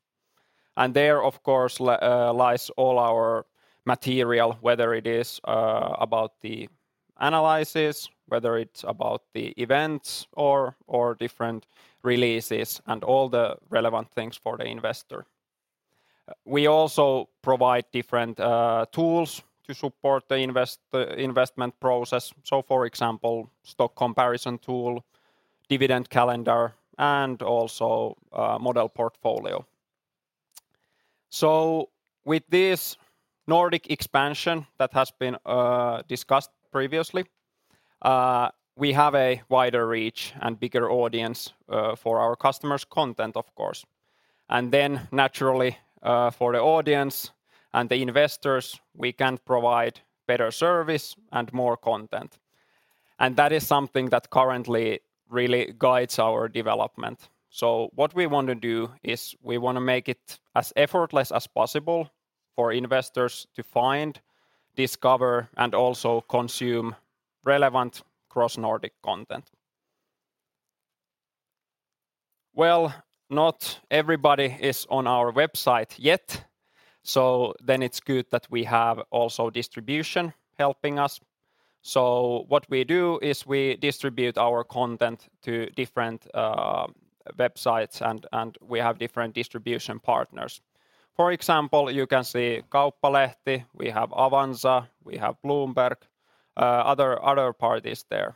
And there, of course, lies all our material, whether it is about the analysis, whether it's about the events or different releases and all the relevant things for the investor. We also provide different tools to support the investment process, for example, stock comparison, dividend calendar, and also model portfolio. With this Nordic expansion that has been discussed previously, we have a wider reach and bigger audience for our customers' content, of course. Naturally, for the audience and the investors, we can provide better service and more content, and that is something that currently really guides our development. What we want to do is we wanna make it as effortless as possible for investors to find, discover, and also consume relevant cross-Nordic content. Not everybody is on our website yet, so then it's good that we have also distribution helping us. What we do is we distribute our content to different websites, and we have different distribution partners. For example, you can see Kauppalehti, we have Avanza, we have Bloomberg, other parties there.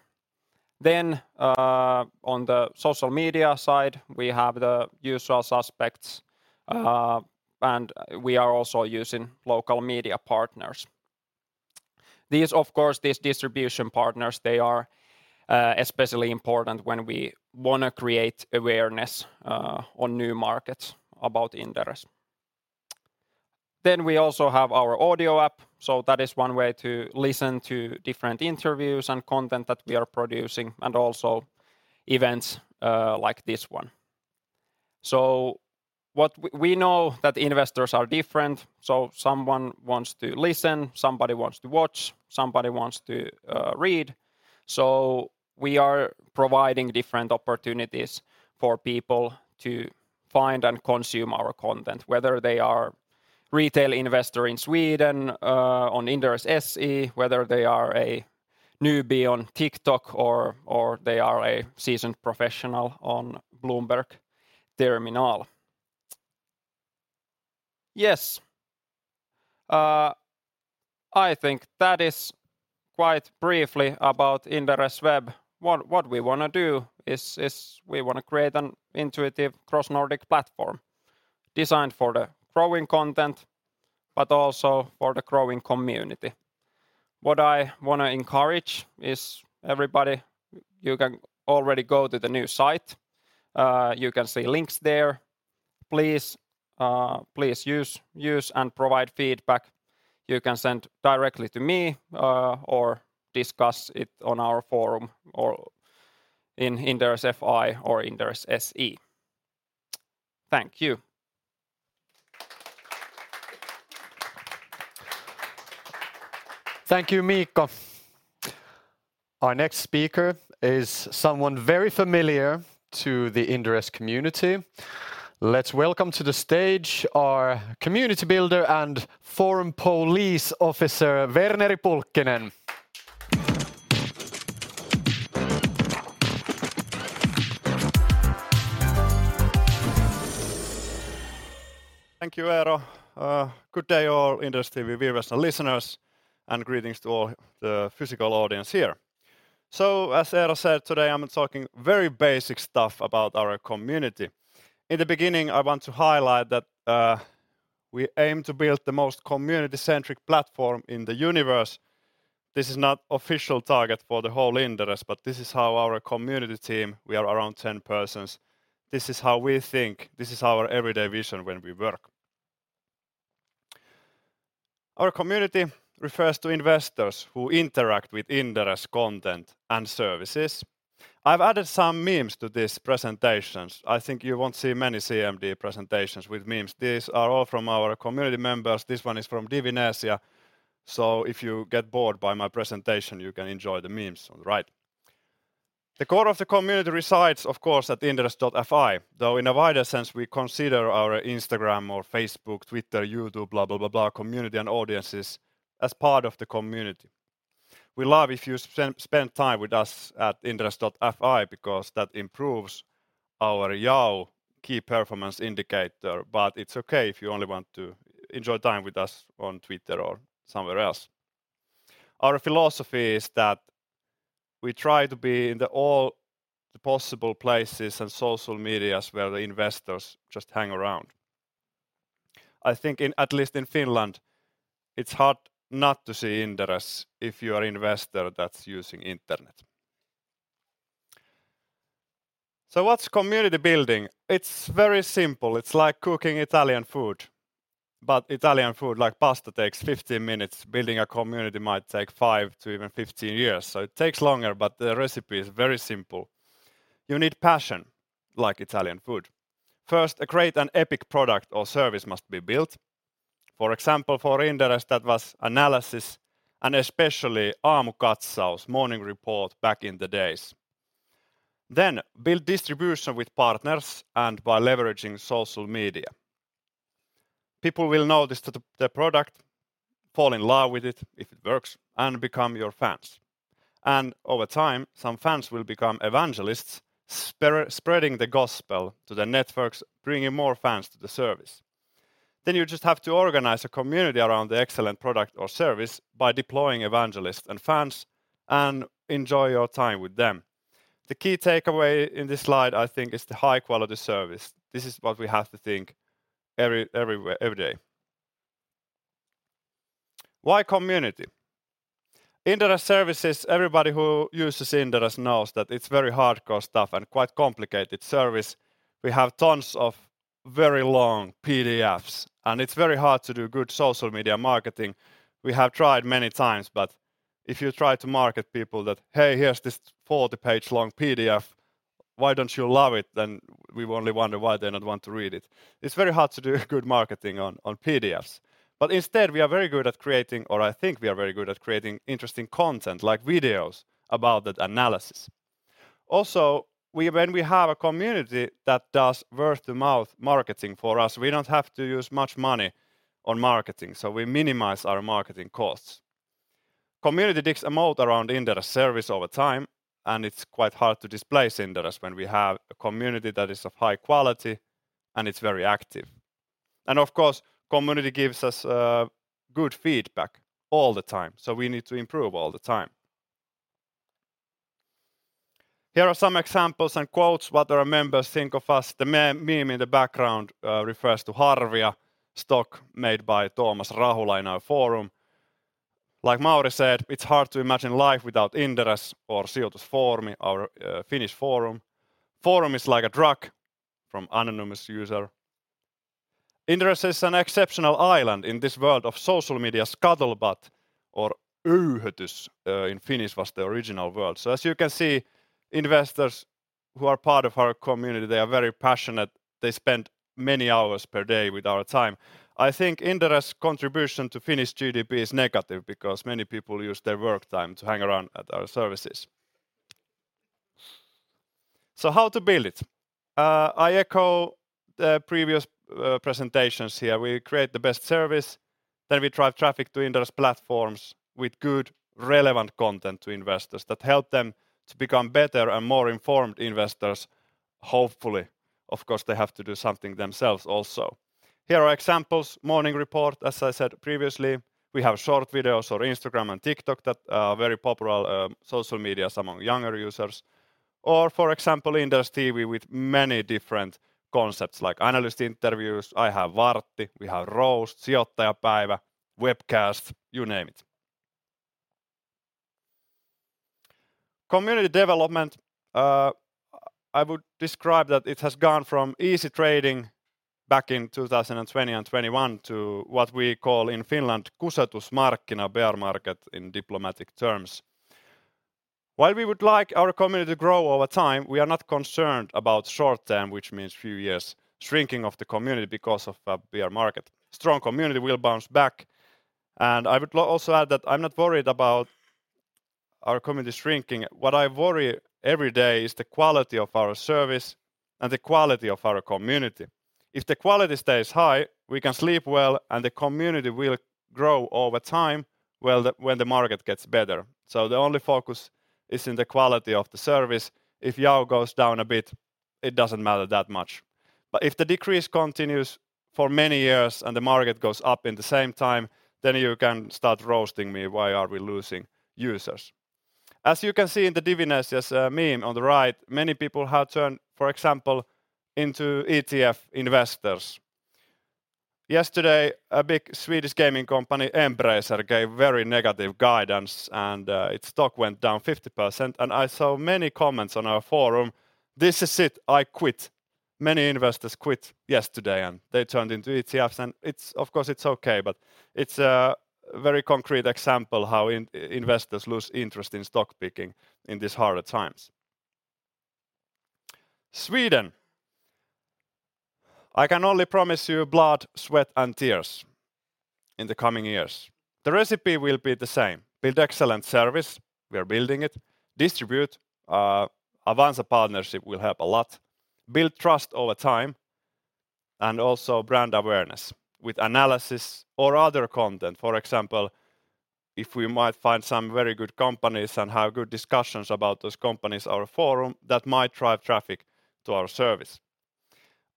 On the social media side, we have the usual suspects, and we are also using local media partners. These, of course, these distribution partners, they are especially important when we wanna create awareness on new markets about Inderes. We also have our audio app, so that is one way to listen to different interviews and content that we are producing, and also events, like this one. We know that investors are different, so someone wants to listen, somebody wants to watch, somebody wants to read. We are providing different opportunities for people to find and consume our content, whether they are retail investor in Sweden, on Inderes SE, whether they are a newbie on TikTok, or they are a seasoned professional on Bloomberg terminal. Yes, I think that is quite briefly about Inderes Web. What we wanna do is we wanna create an intuitive cross-Nordic platform designed for the growing content, but also for the growing community. What I wanna encourage is everybody, you can already go to the new site. You can see links there. Please use and provide feedback. You can send directly to me or discuss it on our forum or in inderes.fi or inderes.se. Thank you. Thank you, Miikka. Our next speaker is someone very familiar to the Inderes community. Let's welcome to the stage our community builder and forum police officer, Verneri Pulkkinen. Thank you, Eero. Good day, all inderesTV viewers and listeners, greetings to all the physical audience here. As Eero said, today I'm talking very basic stuff about our community. In the beginning, I want to highlight that we aim to build the most community-centric platform in the universe. This is not official target for the whole Inderes, this is how our community team, we are around 10 persons, this is how we think. This is our everyday vision when we work. Our community refers to investors who interact with Inderes content and services. I've added some memes to this presentations. I think you won't see many CMD presentation with memes. These are all from our community members. This one is from Divinesia, if you get bored by my presentation, you can enjoy the memes on the right. The core of the community resides, of course, at Inderes.fi, though in a wider sense, we consider our Instagram or Facebook, Twitter, YouTube, blah, blah, community and audiences as part of the community. We love if you spend time with us at Inderes.fi because that improves our year key performance indicator. It's okay if you only want to enjoy time with us on Twitter or somewhere else. Our philosophy is that we try to be in the all the possible places and social medias where the investors just hang around. At least in Finland, it's hard not to see Inderes if you are investor that's using internet. What's community building? It's very simple. It's like cooking Italian food, but Italian food, like pasta, takes 15 minutes. Building a community might take five to even 15 years, so it takes longer, but the recipe is very simple. You need passion, like Italian food. First, a great and epic product or service must be built. For example, for Inderes, that was analysis, and especially Aamukatsaus, Morning Report, back in the days. Build distribution with partners and by leveraging social media. People will notice the product, fall in love with it, if it works, and become your fans. Over time, some fans will become evangelists, spreading the gospel to their networks, bringing more fans to the service. You just have to organize a community around the excellent product or service by deploying evangelists and fans, and enjoy your time with them. The key takeaway in this slide, I think, is the high-quality service. This is what we have to think everywhere, every day. Why community? Inderes services, everybody who uses Inderes knows that it's very hardcore stuff and quite complicated service. We have tons of very long PDFs, and it's very hard to do good social media marketing. We have tried many times, but if you try to market people that, "Hey, here's this 40-page long PDF, why don't you love it?" We only wonder why they not want to read it. It's very hard to do good marketing on PDFs, but instead we are very good at creating, or I think we are very good at creating, interesting content, like videos, about that analysis. When we have a community that does word-of-mouth marketing for us, we don't have to use much money on marketing, so we minimize our marketing costs. Community digs a moat around Inderes service over time. It's quite hard to displace Inderes when we have a community that is of high quality, and it's very active. Of course, community gives us good feedback all the time. We need to improve all the time. Here are some examples and quotes what our members think of us. The meme in the background refers to Harvia Stock, made by Thomas Rahula in our forum. Like Mauri said, "It's hard to imagine life without Inderes or Sijoitusfoorumi," our Finnish forum. "Forum is like a drug," from anonymous user. "Inderes is an exceptional island in this world of social media scuttlebutt," or öyhötys, in Finnish, was the original word. As you can see, investors who are part of our community, they are very passionate. They spend many hours per day with our time. I think Inderes' contribution to Finnish GDP is negative because many people use their work time to hang around at our services. How to build it? I echo the previous presentations here. We create the best service. We drive traffic to Inderes platforms with good, relevant content to investors that help them to become better and more informed investors, hopefully. Of course, they have to do something themselves also. Here are examples: Morning Report, as I said previously. We have short videos or Instagram and TikTok that are very popular social medias among younger users, or, for example, Inderes TV with many different concepts, like analyst interviews. I have Vartti, we have ROAST, Sijoittajapäivä, Webcast, you name it. Community development, I would describe that it has gone from easy trading back in 2020 and 2021 to what we call in Finland, kusetusmarkkina, bear market in diplomatic terms. While we would like our community to grow over time, we are not concerned about short term, which means few years, shrinking of the community because of a bear market. Strong community will bounce back. I would also add that I'm not worried about our community shrinking. What I worry every day is the quality of our service and the quality of our community. If the quality stays high, we can sleep well, and the community will grow over time, when the market gets better. The only focus is in the quality of the service. If Yao goes down a bit, it doesn't matter that much. If the decrease continues for many years and the market goes up in the same time, then you can start roasting me, why are we losing users? As you can see in the Divinesia's meme on the right, many people have turned, for example, into ETF investors. Yesterday, a big Swedish gaming company, Embracer, gave very negative guidance, and its stock went down 50%, and I saw many comments on our forum, "This is it, I quit." Many investors quit yesterday, and they turned into ETFs, and of course, it's okay, but it's a very concrete example how investors lose interest in stock picking in these harder times. Sweden, I can only promise you blood, sweat, and tears in the coming years. The recipe will be the same: build excellent service, we are building it, distribute, Avanza partnership will help a lot, build trust over time, also brand awareness with analysis or other content. For example, if we might find some very good companies and have good discussions about those companies, our forum, that might drive traffic to our service.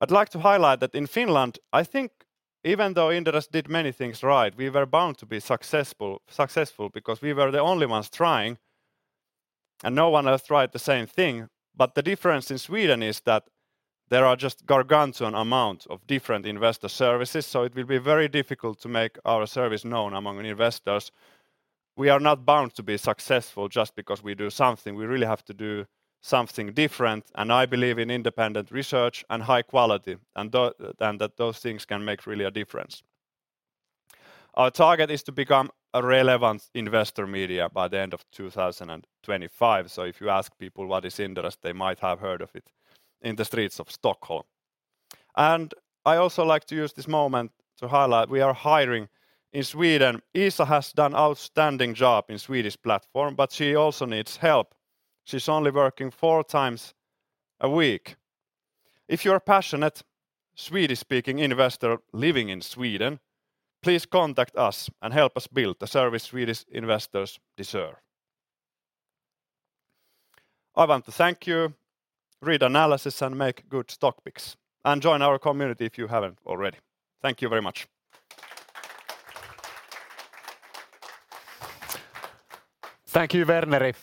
I'd like to highlight that in Finland, I think even though Inderes did many things right, we were bound to be successful because we were the only ones trying, and no one else tried the same thing. The difference in Sweden is that there are just gargantuan amounts of different investor services, so it will be very difficult to make our service known among investors. We are not bound to be successful just because we do something. We really have to do something different, and that those things can make really a difference. Our target is to become a relevant investor media by the end of 2025. If you ask people what is Inderes, they might have heard of it in the streets of Stockholm. I also like to use this moment to highlight we are hiring in Sweden. Isa has done outstanding job in Swedish platform, but she also needs help. She's only working four times a week. If you're a passionate, Swedish-speaking investor living in Sweden, please contact us and help us build the service Swedish investors deserve. I want to thank you, read analysis, and make good stock picks, and join our community if you haven't already. Thank you very much. Thank you, Verneri.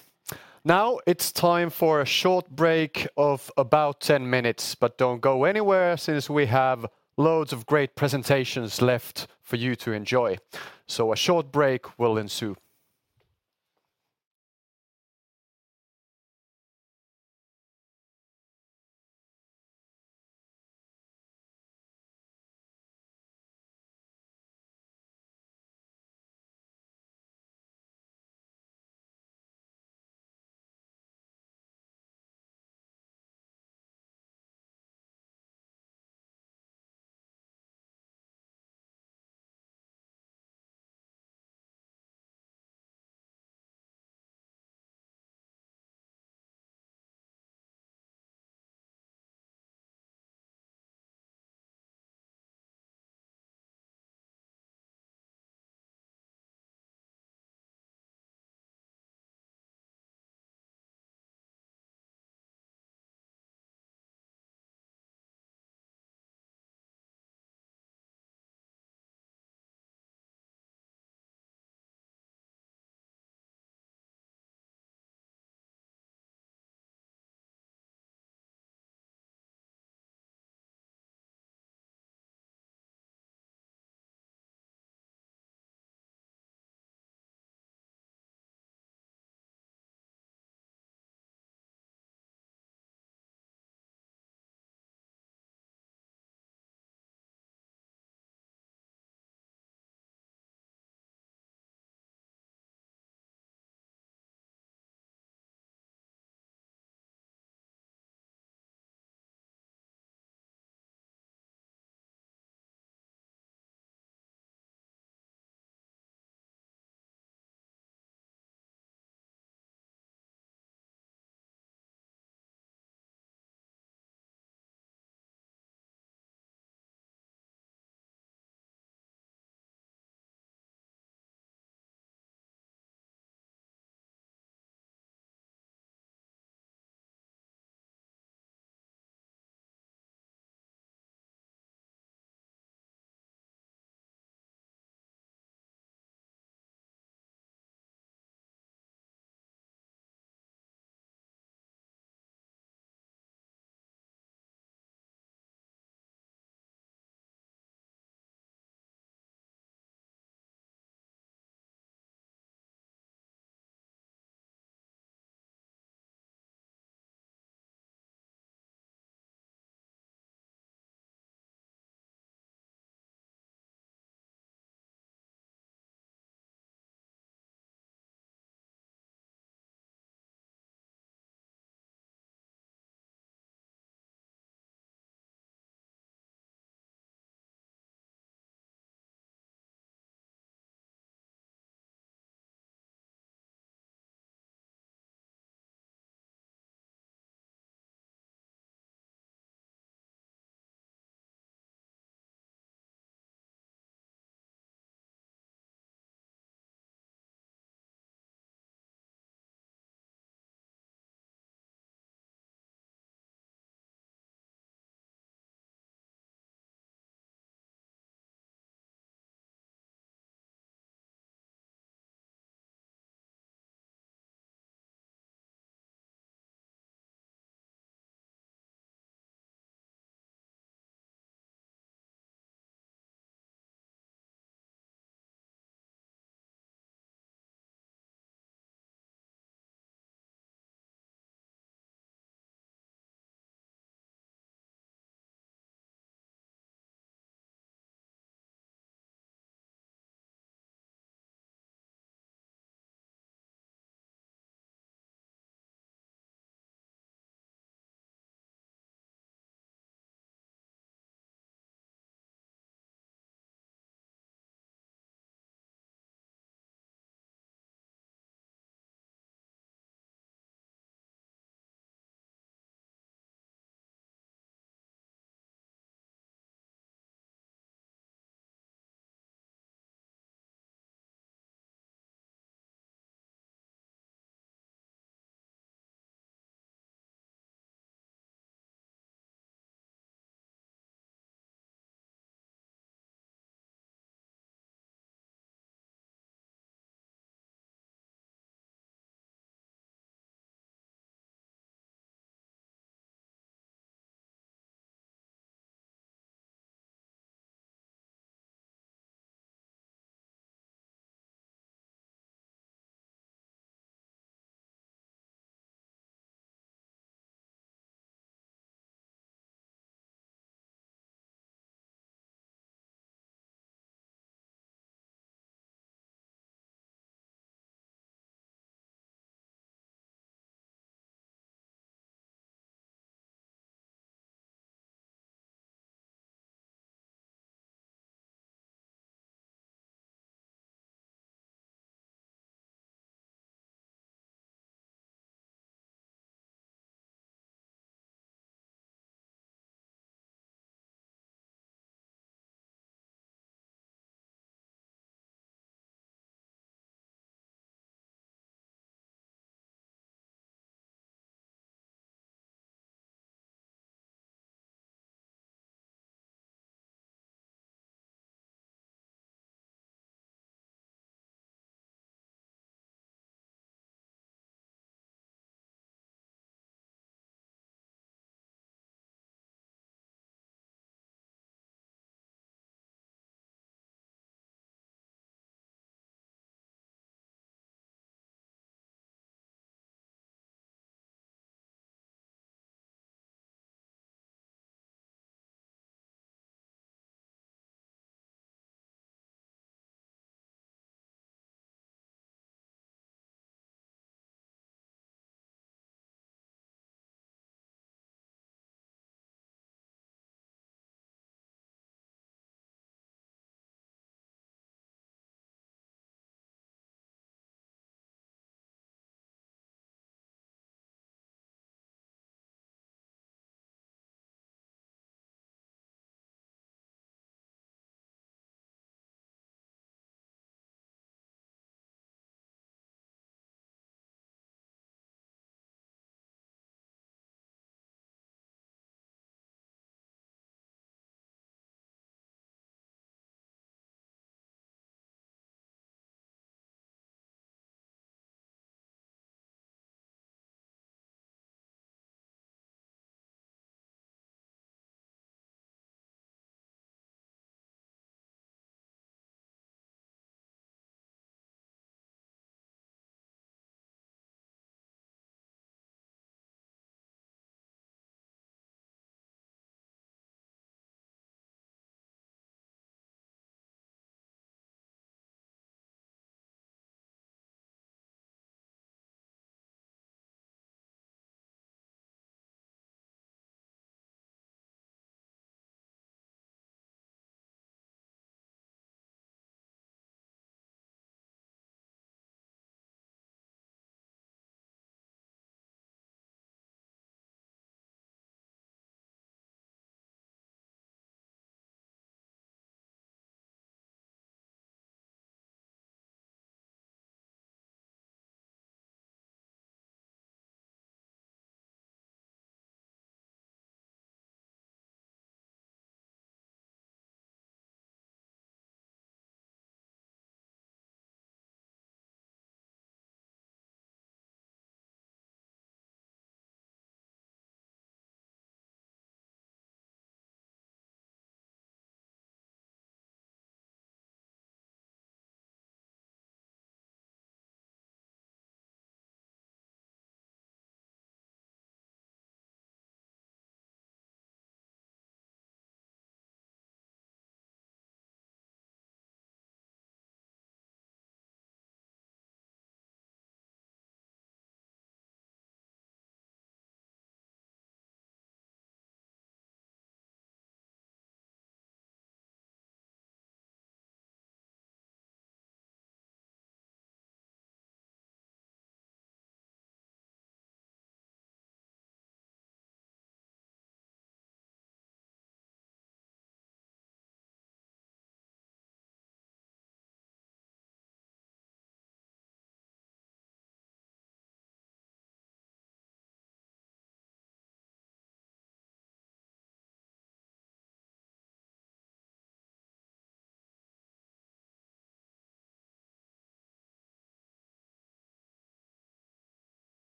Now, it's time for a short break of about 10 minutes, but don't go anywhere since we have loads of great presentations left for you to enjoy. A short break will ensue.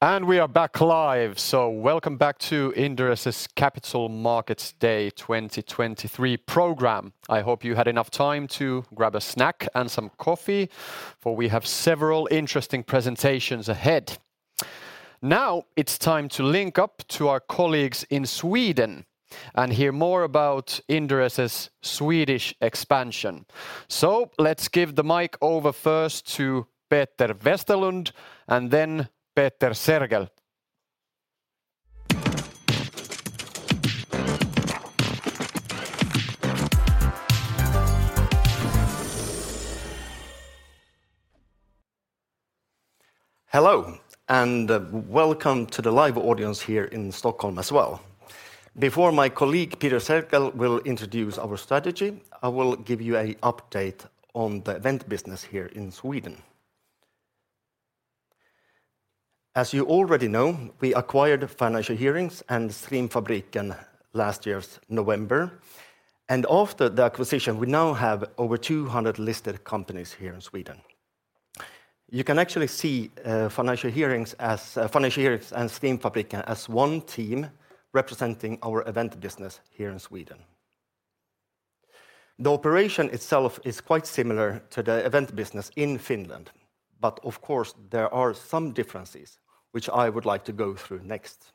We are back live! Welcome back to Inderes' Capital Markets Day 2023 program. I hope you had enough time to grab a snack and some coffee, for we have several interesting presentations ahead. Now, it's time to link up to our colleagues in Sweden and hear more about Inderes' Swedish expansion. Let's give the mic over first to Peter Westerlund, and then Peter Sergel. Hello. Welcome to the live audience here in Stockholm as well. Before my colleague, Peter Sergel, will introduce our strategy, I will give you a update on the event business here in Sweden. As you already know, we acquired Financial Hearings and Streamfabriken last year's November. After the acquisition, we now have over 200 listed companies here in Sweden. You can actually see, Financial Hearings as Financial Hearings and Streamfabriken as one team representing our event business here in Sweden. The operation itself is quite similar to the event business in Finland. Of course, there are some differences, which I would like to go through next.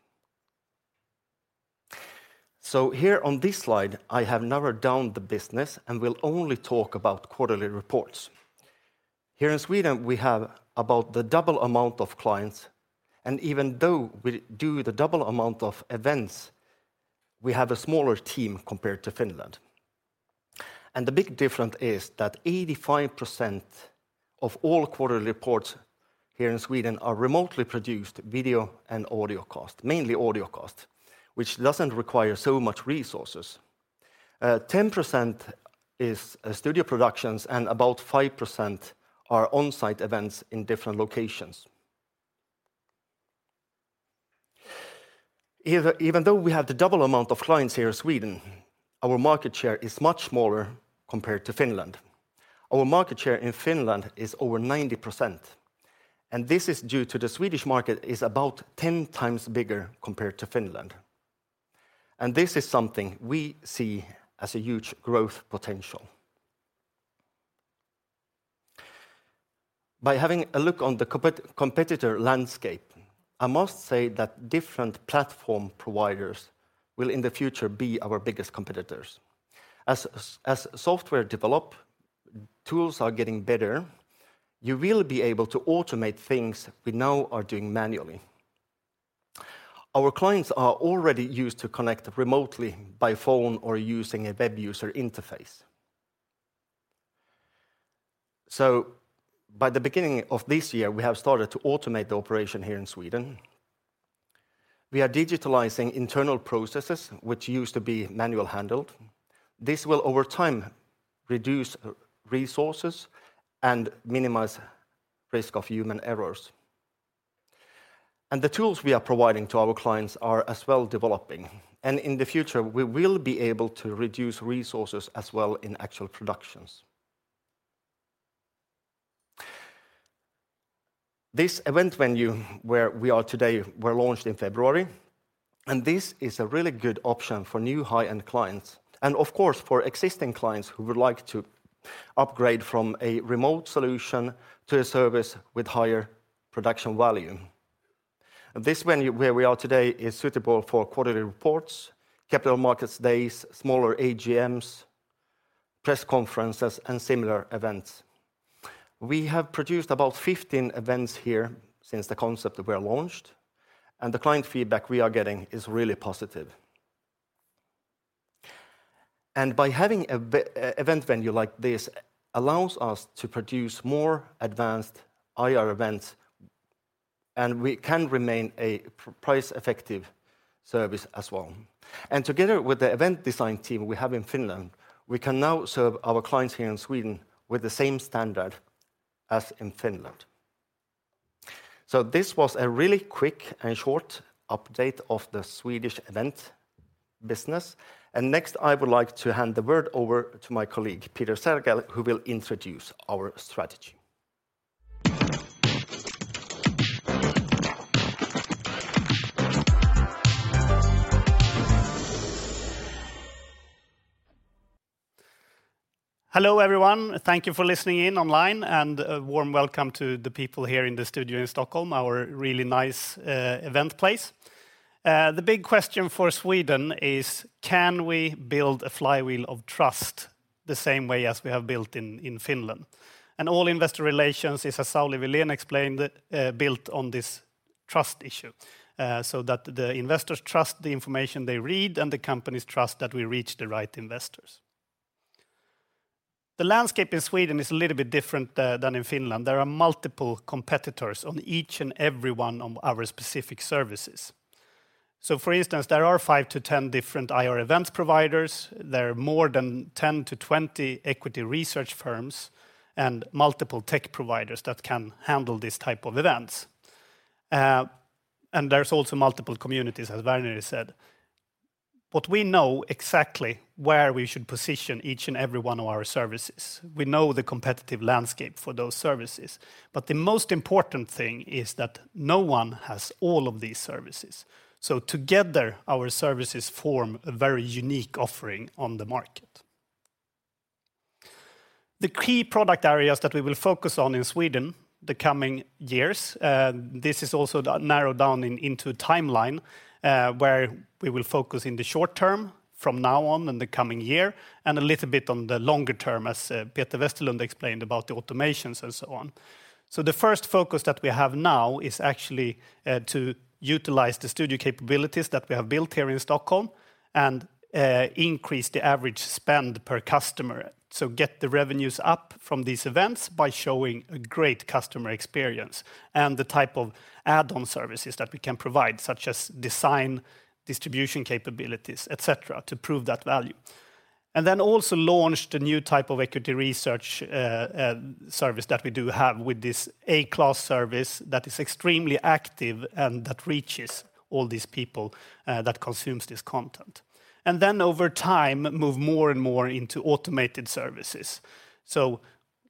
Here on this slide, I have narrowed down the business and will only talk about quarterly reports. Here in Sweden, we have about the double amount of clients, even though we do the double amount of events, we have a smaller team compared to Finland. The big difference is that 85% of all quarterly reports here in Sweden are remotely produced video and audio cost, mainly audio cost, which doesn't require so much resources. 10% is studio productions, and about 5% are on-site events in different locations. Even though we have the double amount of clients here in Sweden, our market share is much smaller compared to Finland. Our market share in Finland is over 90%, and this is due to the Swedish market is about 10 times bigger compared to Finland. This is something we see as a huge growth potential. By having a look on the competitor landscape, I must say that different platform providers will, in the future, be our biggest competitors. As software develop, tools are getting better, you will be able to automate things we now are doing manually. Our clients are already used to connect remotely by phone or using a web user interface. By the beginning of this year, we have started to automate the operation here in Sweden. We are digitalizing internal processes, which used to be manual handled. This will, over time, reduce resources and minimize risk of human errors. The tools we are providing to our clients are as well developing, and in the future, we will be able to reduce resources as well in actual productions. This event venue, where we are today, was launched in February. This is a really good option for new high-end clients. Of course, for existing clients who would like to upgrade from a remote solution to a service with higher production value. This venue, where we are today, is suitable for quarterly reports, Capital Markets Days, smaller AGMs, press conferences, and similar events. We have produced about 15 events here since the concept was launched. The client feedback we are getting is really positive. By having a event venue like this, allows us to produce more advanced IR events. We can remain a price-effective service as well. Together with the event design team we have in Finland, we can now serve our clients here in Sweden with the same standard as in Finland. This was a really quick and short update of the Swedish event business, and next, I would like to hand the word over to my colleague, Peter Sergel, who will introduce our strategy. Hello, everyone. Thank you for listening in online, and a warm welcome to the people here in the studio in Stockholm, our really nice event place. The big question for Sweden is: Can we build a flywheel of trust the same way as we have built in Finland? All investor relations, as Sauli Vilén explained, built on this trust issue, so that the investors trust the information they read, and the companies trust that we reach the right investors. The landscape in Sweden is a little bit different than in Finland. There are multiple competitors on each and every one of our specific services. For instance, there are 5-10 different IR events providers, there are more than 10-20 equity research firms, and multiple tech providers that can handle these type of events. There's also multiple communities, as Verneri said. We know exactly where we should position each and every one of our services. We know the competitive landscape for those services, the most important thing is that no one has all of these services. Together, our services form a very unique offering on the market. The key product areas that we will focus on in Sweden the coming years, this is also narrowed down into a timeline, where we will focus in the short term from now on in the coming year, and a little bit on the longer term, as Peter Westerlund explained about the automations and so on. The first focus that we have now is actually to utilize the studio capabilities that we have built here in Stockholm and increase the average spend per customer. Get the revenues up from these events by showing a great customer experience and the type of add-on services that we can provide, such as design, distribution capabilities, etc., to prove that value. Also launch the new type of equity research service that we do have with this A-class service that is extremely active and that reaches all these people that consumes this content. Over time, move more and more into automated services.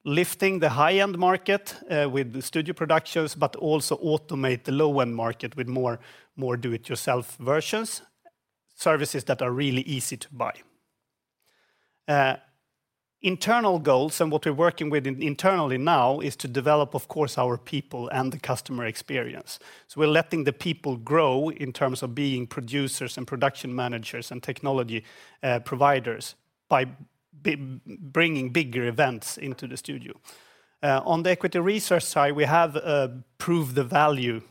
Lifting the high-end market with studio productions, but also automate the low-end market with more do-it-yourself versions, services that are really easy to buy. Internal goals and what we're working with internally now, is to develop, of course, our people and the customer experience. We're letting the people grow in terms of being producers and production managers and technology providers. be bringing bigger events into the studio. On the equity research side, we have proved the value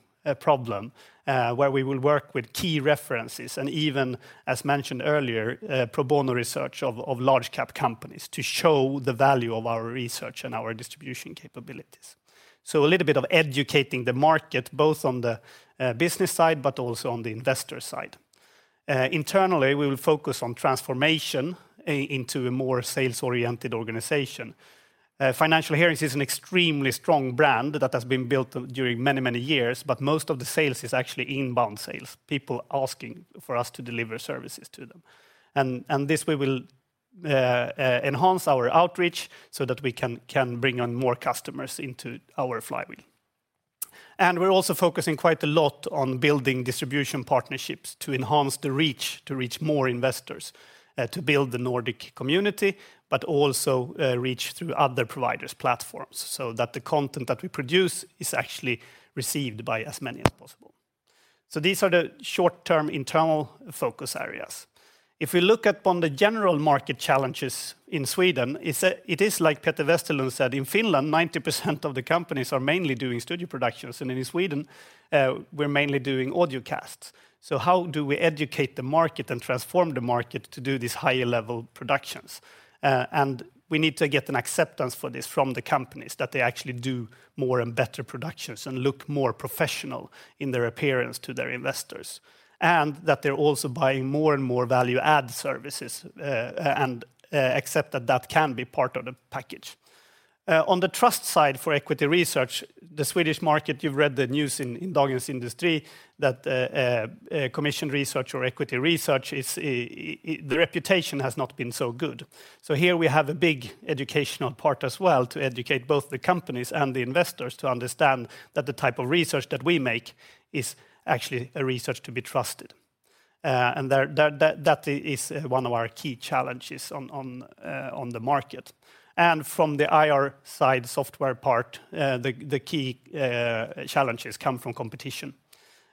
problem where we will work with key references, and even as mentioned earlier, pro bono research of large cap companies to show the value of our research and our distribution capabilities. A little bit of educating the market, both on the business side, but also on the investor side. Internally, we will focus on transformation into a more sales-oriented organization. Financial Hearings is an extremely strong brand that has been built during many, many years, but most of the sales is actually inbound sales, people asking for us to deliver services to them. This, we will enhance our outreach so that we can bring on more customers into our flywheel. We're also focusing quite a lot on building distribution partnerships to enhance the reach, to reach more investors, to build the Nordic community, but also, reach through other providers' platforms, so that the content that we produce is actually received by as many as possible. These are the short-term internal focus areas. If we look upon the general market challenges in Sweden, it's, it is like Peter Westerlund said, in Finland, 90% of the companies are mainly doing studio productions, and in Sweden, we're mainly doing audiocasts. How do we educate the market and transform the market to do these higher level productions? We need to get an acceptance for this from the companies, that they actually do more and better productions and look more professional in their appearance to their investors. That they're also buying more and more value add services, and accept that that can be part of the package. On the trust side for equity research, the Swedish market, you've read the news in Dagens Industri, that commission research or equity research is the reputation has not been so good. Here we have a big educational part as well to educate both the companies and the investors to understand that the type of research that we make is actually a research to be trusted. And that is one of our key challenges on the market. From the IR software part, the key challenges come from competition,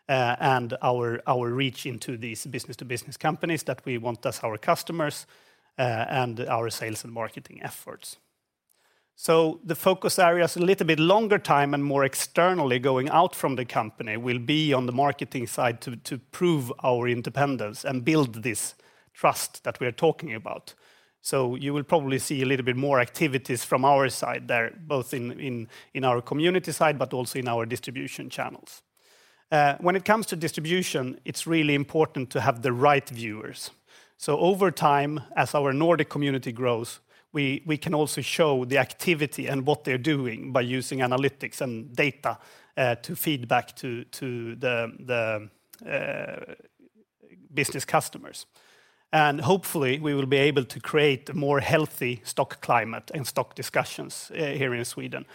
and our reach into these business-to-business companies that we want as our customers, and our sales and marketing efforts. The focus areas a little bit longer time and more externally going out from the company will be on the marketing side to prove our independence and build this trust that we are talking about. You will probably see a little bit more activities from our side there, both in our community side, but also in our distribution channels. When it comes to distribution, it's really important to have the right viewers. Over time, as our Nordic community grows, we can also show the activity and what they're doing by using analytics and data to feed back to the business customers. Hopefully, we will be able to create a more healthy stock climate and stock discussions here in Sweden,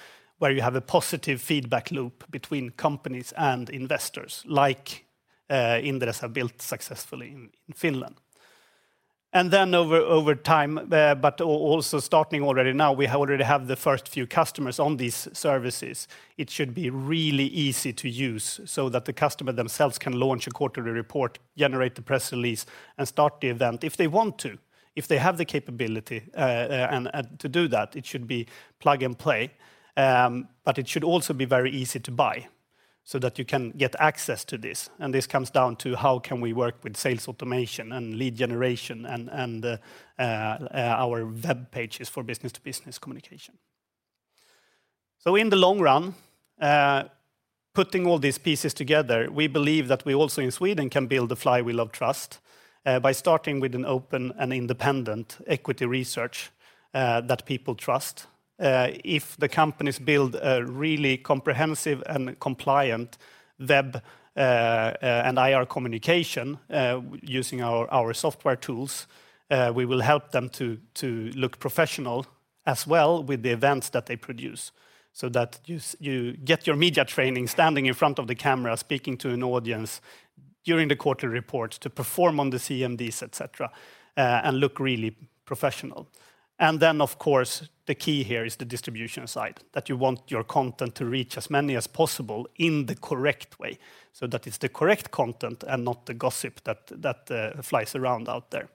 where you have a positive feedback loop between companies and investors, like Inderes built successfully in Finland. Over time, but also starting already now, we already have the first few customers on these services. It should be really easy to use so that the customer themselves can launch a quarterly report, generate the press release, and start the event if they want to, if they have the capability, and to do that, it should be plug and play. It should also be very easy to buy so that you can get access to this. This comes down to how can we work with sales automation and lead generation and our web pages for business-to-business communication. In the long run, putting all these pieces together, we believe that we also in Sweden, can build a flywheel of trust by starting with an open and independent equity research that people trust. If the companies build a really comprehensive and compliant web and IR communication, using our software tools, we will help them to look professional as well with the events that they produce. So that you get your media training, standing in front of the camera, speaking to an audience during the quarterly reports to perform on the CMO, etc., and look really professional. Of course, the key here is the distribution side, that you want your content to reach as many as possible in the correct way, so that it's the correct content and not the gossip that flies around out there.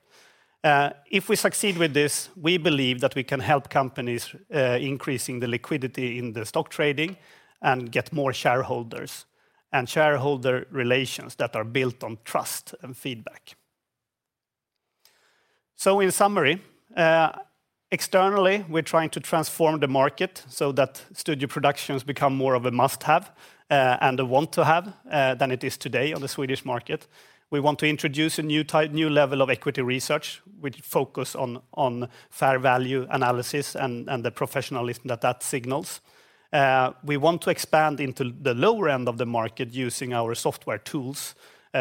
If we succeed with this, we believe that we can help companies, increasing the liquidity in the stock trading and get more shareholders and shareholder relations that are built on trust and feedback. In summary, externally, we're trying to transform the market so that studio productions become more of a must-have and a want to have than it is today on the Swedish market. We want to introduce a new level of equity research, which focus on fair value analysis and the professionalism that signals. We want to expand into the lower end of the market using our software tools,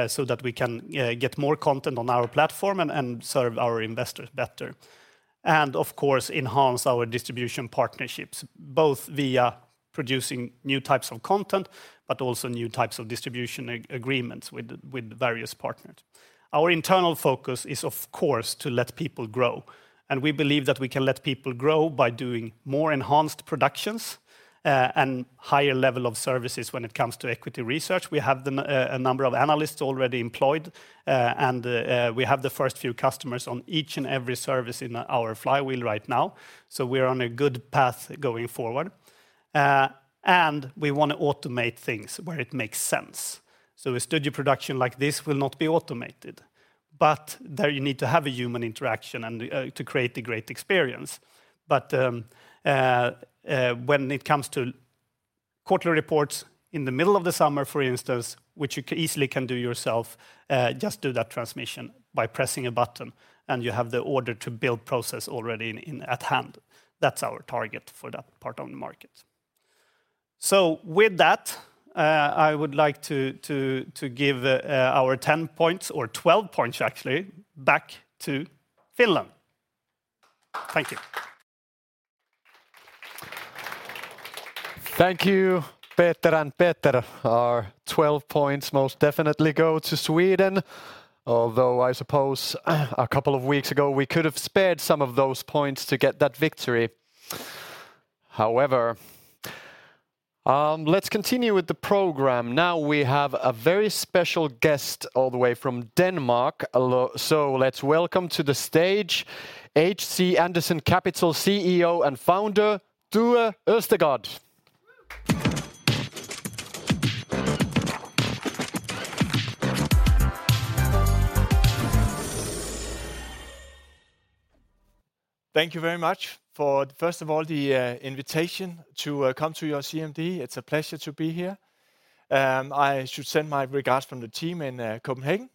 so that we can get more content on our platform and serve our investors better. Of course, enhance our distribution partnerships, both via producing new types of content, but also new types of distribution agreements with various partners. Our internal focus is, of course, to let people grow. We believe that we can let people grow by doing more enhanced productions and higher level of services when it comes to equity research. We have a number of analysts already employed, and we have the first few customers on each and every service in our flywheel right now. We're on a good path going forward. We want to automate things where it makes sense. A studio production like this will not be automated. There you need to have a human interaction and to create a great experience. When it comes to quarterly reports in the middle of the summer, for instance, which you easily can do yourself, just do that transmission by pressing a button, and you have the order to build process already at hand. That's our target for that part on the market. With that, I would like to give the our 10 points or 12 points actually back to Finland. Thank you. Thank you, Peter and Peter. Our 12 points most definitely go to Sweden, although I suppose a couple of weeks ago, we could have spared some of those points to get that victory. Let's continue with the program. Let's welcome to the stage, HC Andersen Capital CEO and Founder, Tue Østergaard. Thank you very much for, first of all, the invitation to come to your CMD. It's a pleasure to be here. I should send my regards from the team in Copenhagen.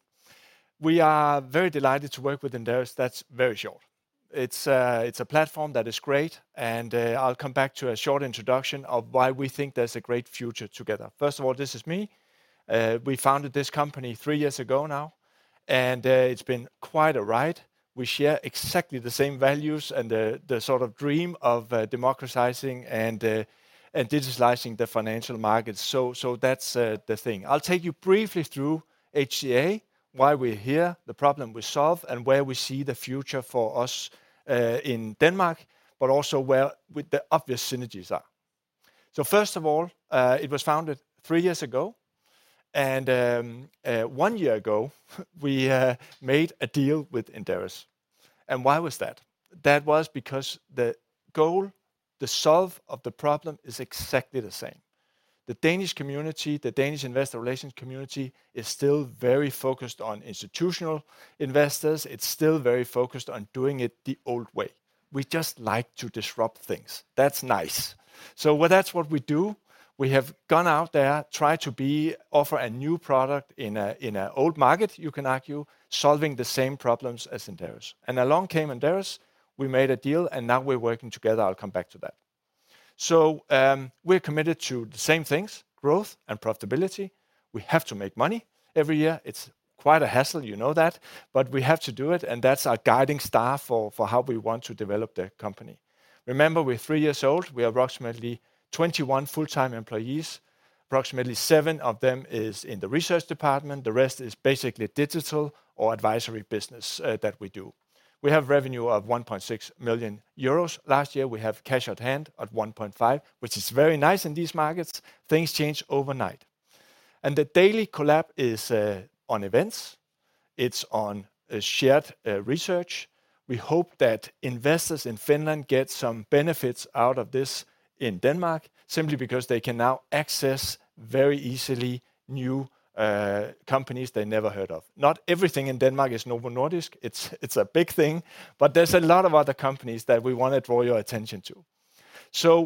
We are very delighted to work with Inderes. That's very short. It's a platform that is great, and I'll come back to a short introduction of why we think there's a great future together. First of all, this is me. We founded this company three years ago now, and it's been quite a ride. We share exactly the same values and the sort of dream of democratizing and digitalizing the financial markets. That's the thing. I'll take you briefly through HCA, why we're here, the problem we solve, and where we see the future for us in Denmark, but also where with the obvious synergies are. First of all, it was founded 3 years ago, and one year ago, we made a deal with Inderes. Why was that? That was because the goal, the solve of the problem is exactly the same. The Danish community, the Danish investor relations community, is still very focused on institutional investors. It's still very focused on doing it the old way. We just like to disrupt things. That's nice. Well, that's what we do. We have gone out there, tried to offer a new product in an old market, you can argue, solving the same problems as Inderes. Along came Inderes, we made a deal, and now we're working together. We're committed to the same things, growth and profitability. We have to make money every year. It's quite a hassle, you know that, but we have to do it, and that's our guiding star for how we want to develop the company. Remember, we're three years old. We're approximately 21 full-time employees. Approximately seven of them is in the research department. The rest is basically digital or advisory business that we do. We have revenue of 1.6 million euros. Last year, we have cash at hand at 1.5 million, which is very nice in these markets. Things change overnight. The daily collab is on events. It's on a shared research. We hope that investors in Finland get some benefits out of this in Denmark, simply because they can now access very easily new companies they never heard of. Not everything in Denmark is Novo Nordisk. It's, it's a big thing, but there's a lot of other companies that we wanna draw your attention to.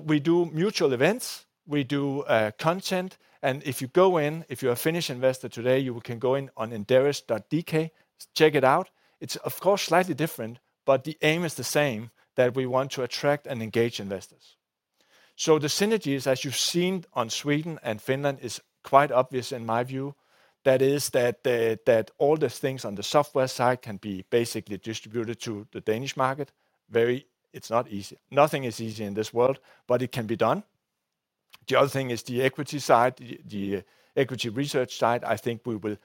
We do mutual events, we do content, and if you go in, if you're a Finnish investor today, you can go in on inderes.dk. Check it out. It's of course, slightly different, but the aim is the same, that we want to attract and engage investors. The synergies, as you've seen on Sweden and Finland, is quite obvious in my view. That is that all the things on the software side can be basically distributed to the Danish market. It's not easy. Nothing is easy in this world, but it can be done. The other thing is the equity side, the equity research side. I think we will,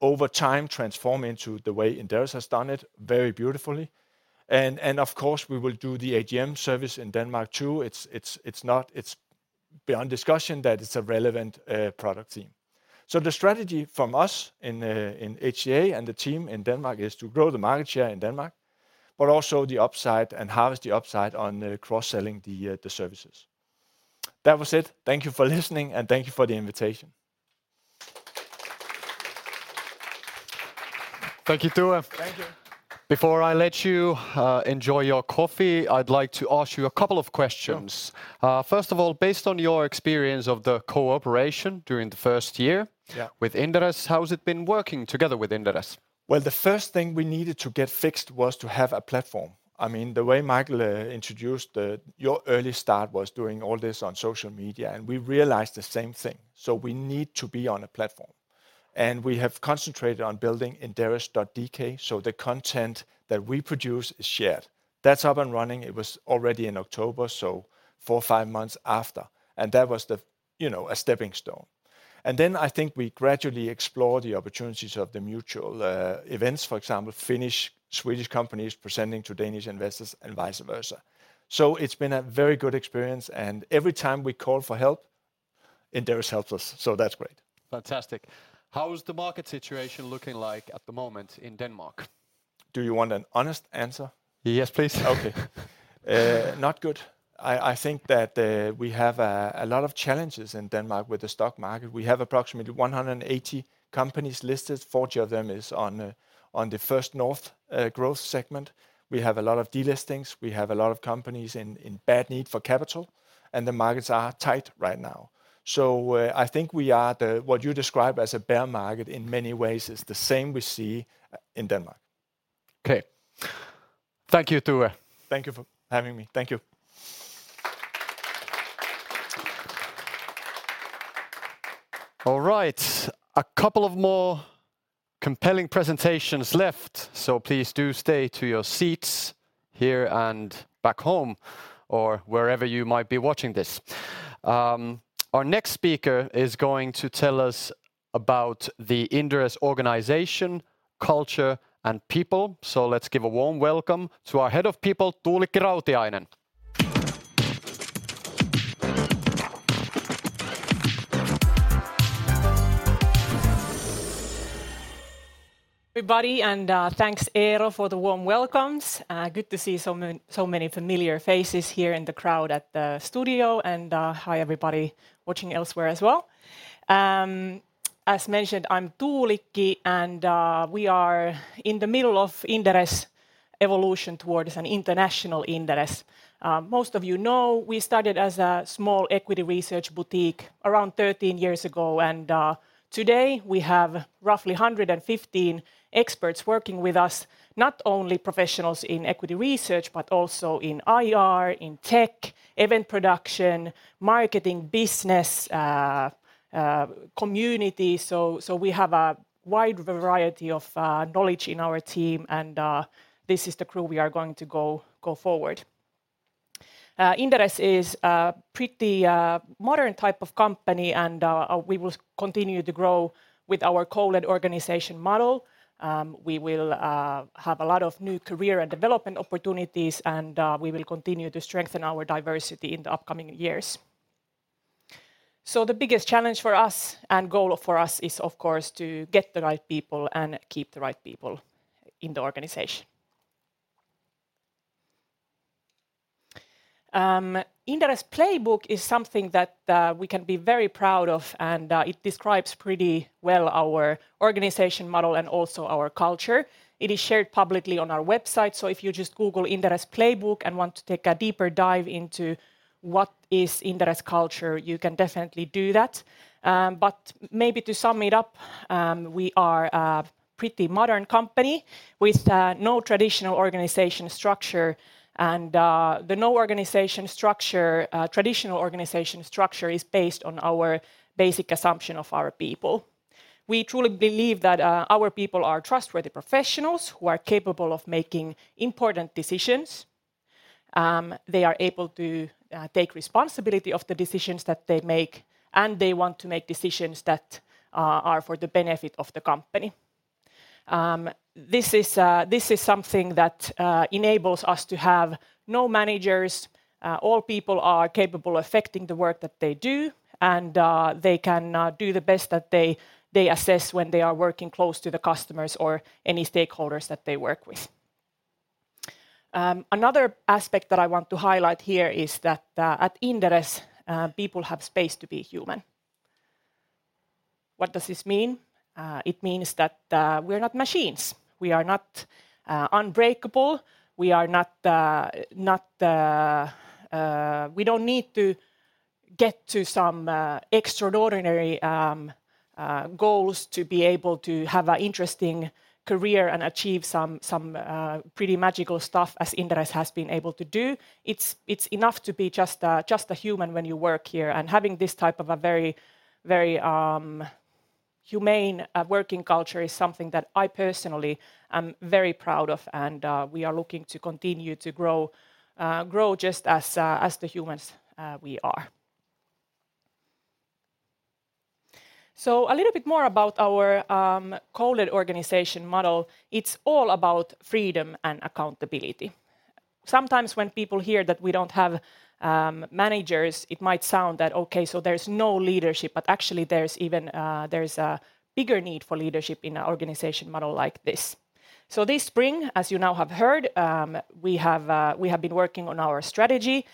over time, transform into the way Inderes has done it very beautifully, and of course, we will do the AGM service in Denmark, too. It's beyond discussion that it's a relevant product team. The strategy from us in HCA and the team in Denmark is to grow the market share in Denmark, but also the upside and harvest the upside on cross-selling the services. That was it. Thank you for listening, and thank you for the invitation. Thank you, Tue. Thank you. Before I let you enjoy your coffee, I'd like to ask you a couple of questions. Sure. First of all, based on your experience of the cooperation during the first year. Yeah With Inderes, how has it been working together with Inderes? Well, the first thing we needed to get fixed was to have a platform. I mean, the way Mikael introduced your early start was doing all this on social media, and we realized the same thing. We need to be on a platform, and we have concentrated on building inderes.dk, so the content that we produce is shared. That's up and running. It was already in October, so four, five months after, and that was, you know, a stepping stone. I think we gradually explore the opportunities of the mutual events. For example, Finnish, Swedish companies presenting to Danish investors, and vice versa. It's been a very good experience, and every time we call for help, Inderes helps us, so that's great. Fantastic. How is the market situation looking like at the moment in Denmark? Do you want an honest answer? Yes, please. Okay. Not good. I think that we have a lot of challenges in Denmark with the stock market. We have approximately 180 companies listed, 40 of them is on the First North growth segment. We have a lot of delistings, we have a lot of companies in bad need for capital, the markets are tight right now. I think what you describe as a bear market in many ways is the same we see in Denmark. Okay. Thank you, Tue. Thank you for having me. Thank you. All right. A couple of more compelling presentations left, so please do stay to your seats here and back home, or wherever you might be watching this. Our next speaker is going to tell us about the Inderes organization, culture, and people. Let's give a warm welcome to our Head of People, Tuulikki Rautiainen. Everybody, thanks, Eero, for the warm welcomes. Good to see so many familiar faces here in the crowd at the studio, and hi, everybody watching elsewhere as well. As mentioned, I'm Tuulikki, and we are in the middle of Inderes' evolution towards an international Inderes. Most of you know, we started as a small equity research boutique around 13 years ago, and today we have roughly 115 experts working with us, not only professionals in equity research, but also in IR, in tech, event production, marketing, business, community. We have a wide variety of knowledge in our team, and this is the crew we are going to go forward. Inderes is a pretty modern type of company, we will continue to grow with our co-led organization model. We will have a lot of new career and development opportunities, we will continue to strengthen our diversity in the upcoming years. The biggest challenge for us and goal for us is, of course, to get the right people and keep the right people in the organization. Inderes Playbook is something that we can be very proud of, it describes pretty well our organization model and also our culture. It is shared publicly on our website, if you just Google Inderes Playbook and want to take a deeper dive into what is Inderes culture, you can definitely do that. Maybe to sum it up, we are a pretty modern company with no traditional organization structure, and the no organization structure, traditional organization structure is based on our basic assumption of our people. We truly believe that our people are trustworthy professionals who are capable of making important decisions. They are able to take responsibility of the decisions that they make, and they want to make decisions that are for the benefit of the company. This is something that enables us to have no managers. All people are capable of affecting the work that they do, and they can do the best that they assess when they are working close to the customers or any stakeholders that they work with. Another aspect that I want to highlight here is that at Inderes, people have space to be human. What does this mean? It means that we're not machines. We are not unbreakable. We are not. We don't need to get to some extraordinary goals to be able to have an interesting career and achieve some pretty magical stuff as Inderes has been able to do. It's enough to be just a human when you work here, and having this type of a very humane working culture is something that I personally am very proud of, and we are looking to continue to grow just as the humans we are. A little bit more about our co-led organization model. It's all about freedom and accountability. Sometimes when people hear that we don't have managers, it might sound that, okay, there's no leadership, but actually there's even a bigger need for leadership in an organization model like this. This spring, as you now have heard, we have been working on our strategy.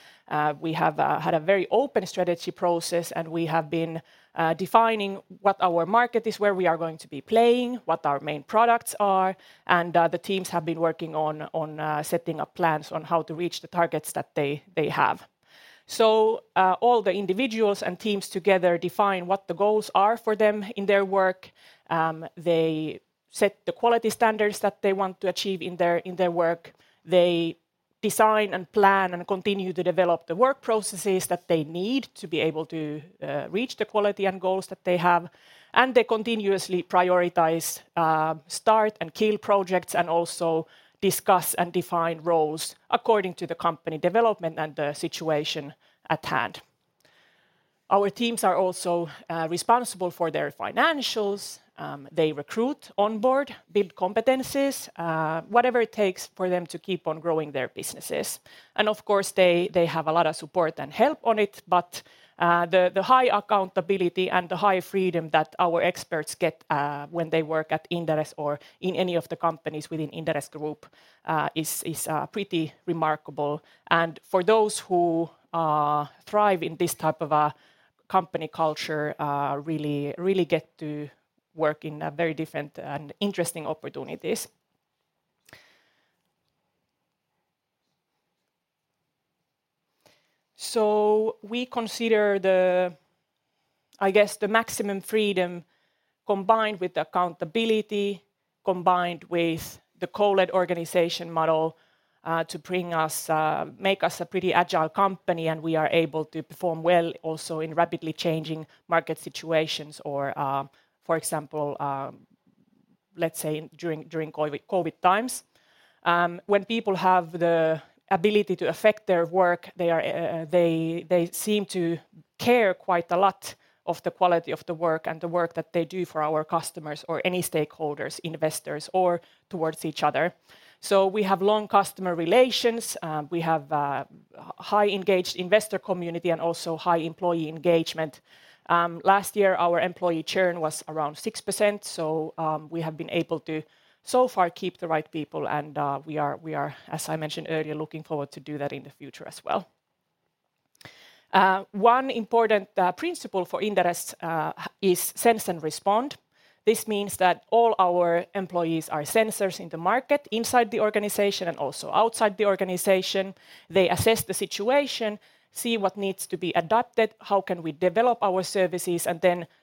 We have had a very open strategy process, and we have been defining what our market is, where we are going to be playing, what our main products are, and the teams have been working on setting up plans on how to reach the targets that they have. All the individuals and teams together define what the goals are for them in their work. They set the quality standards that they want to achieve in their work. They design and plan and continue to develop the work processes that they need to be able to reach the quality and goals that they have. They continuously prioritize, start and kill projects, discuss and define roles according to the company development and the situation at hand. Our teams are also responsible for their financials. They recruit on board, build competencies, whatever it takes for them to keep on growing their businesses. Of course, they have a lot of support and help on it. The high accountability and the high freedom that our experts get when they work at Inderes or in any of the companies within Inderes Group is pretty remarkable. For those who thrive in this type of a company culture, really, really get to work in a very different and interesting opportunities. We consider the, I guess, the maximum freedom, combined with accountability, combined with the co-led organization model, to make us a pretty agile company, and we are able to perform well also in rapidly changing market situations or, for example, let's say, during COVID times. When people have the ability to affect their work, they seem to care quite a lot of the quality of the work and the work that they do for our customers or any stakeholders, investors or towards each other. We have long customer relations, we have high engaged investor community, and also high employee engagement. Last year, our employee churn was around 6%. We have been able to, so far, keep the right people. We are, as I mentioned earlier, looking forward to do that in the future as well. One important principle for Inderes is sense and respond. This means that all our employees are sensors in the market, inside the organization and also outside the organization. They assess the situation, see what needs to be adapted, how can we develop our services,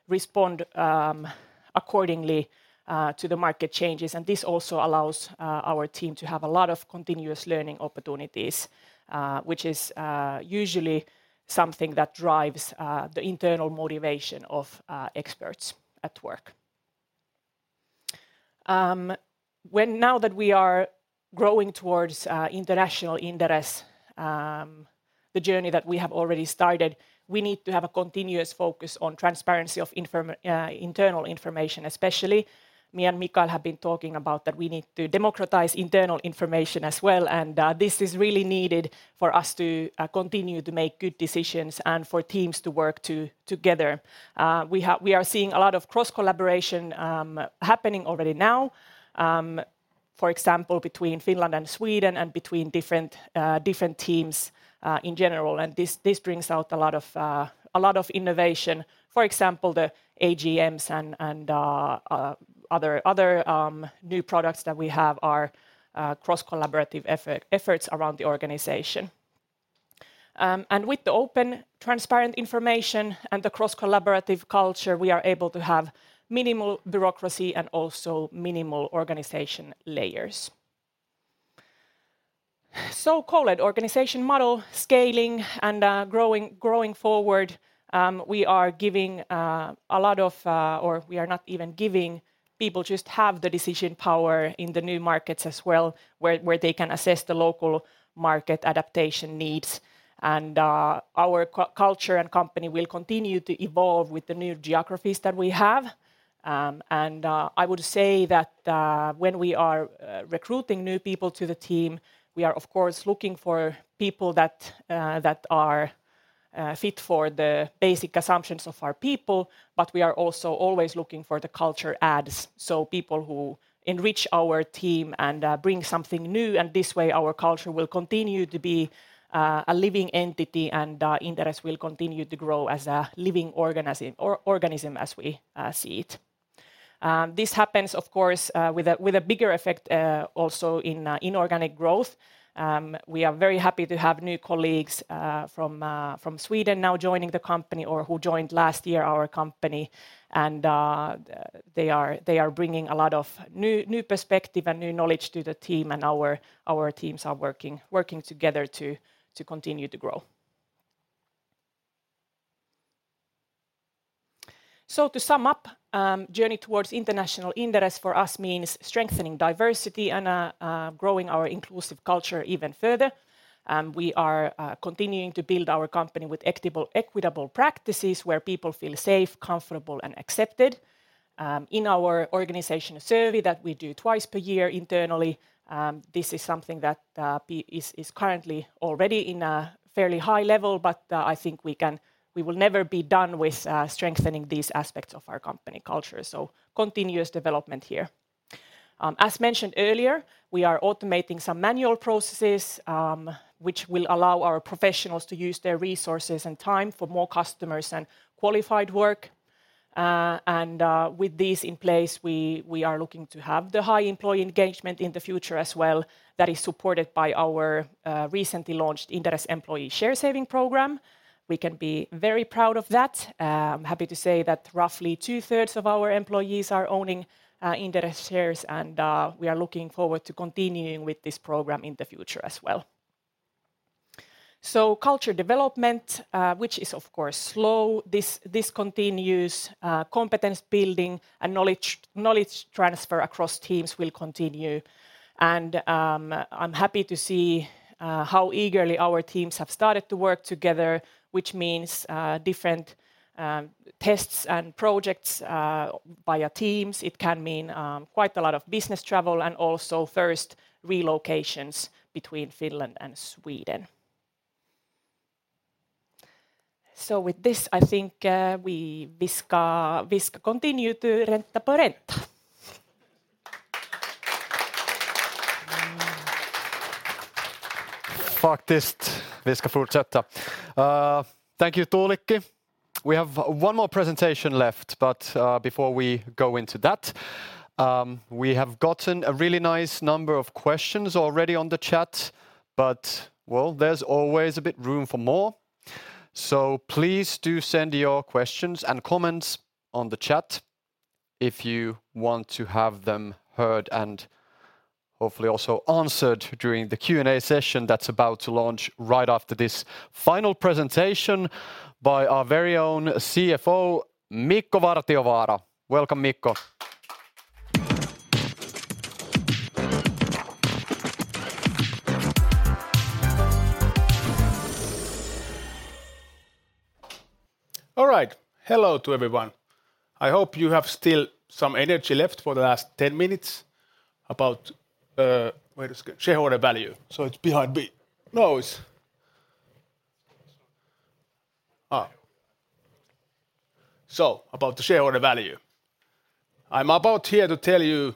respond accordingly to the market changes. This also allows our team to have a lot of continuous learning opportunities, which is usually something that drives the internal motivation of experts at work. When now that we are growing towards international Inderes, the journey that we have already started, we need to have a continuous focus on transparency of internal information, especially me and Mikael have been talking about that we need to democratize internal information as well, and this is really needed for us to continue to make good decisions and for teams to work together. We are seeing a lot of cross-collaboration happening already now, for example, between Finland and Sweden, and between different teams in general, and this brings out a lot of innovation. For example, the AGMs and other new products that we have are cross-collaborative efforts around the organization. With the open, transparent information and the cross-collaborative culture, we are able to have minimal bureaucracy and also minimal organization layers. Co-led organization model, scaling, and growing forward, we are not even giving, people just have the decision power in the new markets as well, where they can assess the local market adaptation needs. Our co- culture and company will continue to evolve with the new geographies that we have. And um, and, uh, I would say that, uh, when we are, uh, recruiting new people to the team, we are, of course, looking for people that, uh, that are, uh, fit for the basic assumptions of our people, but we are also always looking for the culture adds, so people who enrich our team and, uh, bring something new, and this way, our culture will continue to be, uh, a living entity, and, uh, Inderes will continue to grow as a living organism, or organism as we, uh, see it. Um, this happens, of course, uh, with a, with a bigger effect, uh, also in, uh, inorganic growth. We are very happy to have new colleagues from Sweden now joining the company or who joined last year our company, and they are bringing a lot of new perspective and new knowledge to the team, and our teams are working together to continue to grow. To sum up, journey towards international Inderes for us means strengthening diversity and growing our inclusive culture even further. We are continuing to build our company with equitable practices, where people feel safe, comfortable, and accepted. In our organizational survey that we do twice per year internally, this is something that is currently already in a fairly high level, but I think we will never be done with strengthening these aspects of our company culture, so continuous development here. As mentioned earlier, we are automating some manual processes, which will allow our professionals to use their resources and time for more customers and qualified work. With this in place, we are looking to have the high employee engagement in the future as well. That is supported by our recently launched Inderes Employee Share Savings Program. We can be very proud of that. I'm happy to say that roughly two-thirds of our employees are owning Inderes shares, we are looking forward to continuing with this program in the future as well. Culture development, which is of course slow, this continues, competence building and knowledge transfer across teams will continue. I'm happy to see how eagerly our teams have started to work together, which means different tests and projects via teams. It can mean quite a lot of business travel and also first relocations between Finland and Sweden. With this, I think, we ska continue to renta på renta. Faktiskt, vi ska fortsätta. Thank you, Tuulikki. We have one more presentation left. Before we go into that, we have gotten a really nice number of questions already on the chat, but, well, there's always a bit room for more. Please do send your questions and comments on the chat if you want to have them heard and hopefully also answered during the Q&A session that's about to launch right after this final presentation by our very own CFO, Mikko Wartiovaara. Welcome, Mikko. All right. Hello to everyone. I hope you have still some energy left for the last 10 minutes about, where is it? Shareholder value. It's behind me. About the shareholder value. I'm about here to tell you,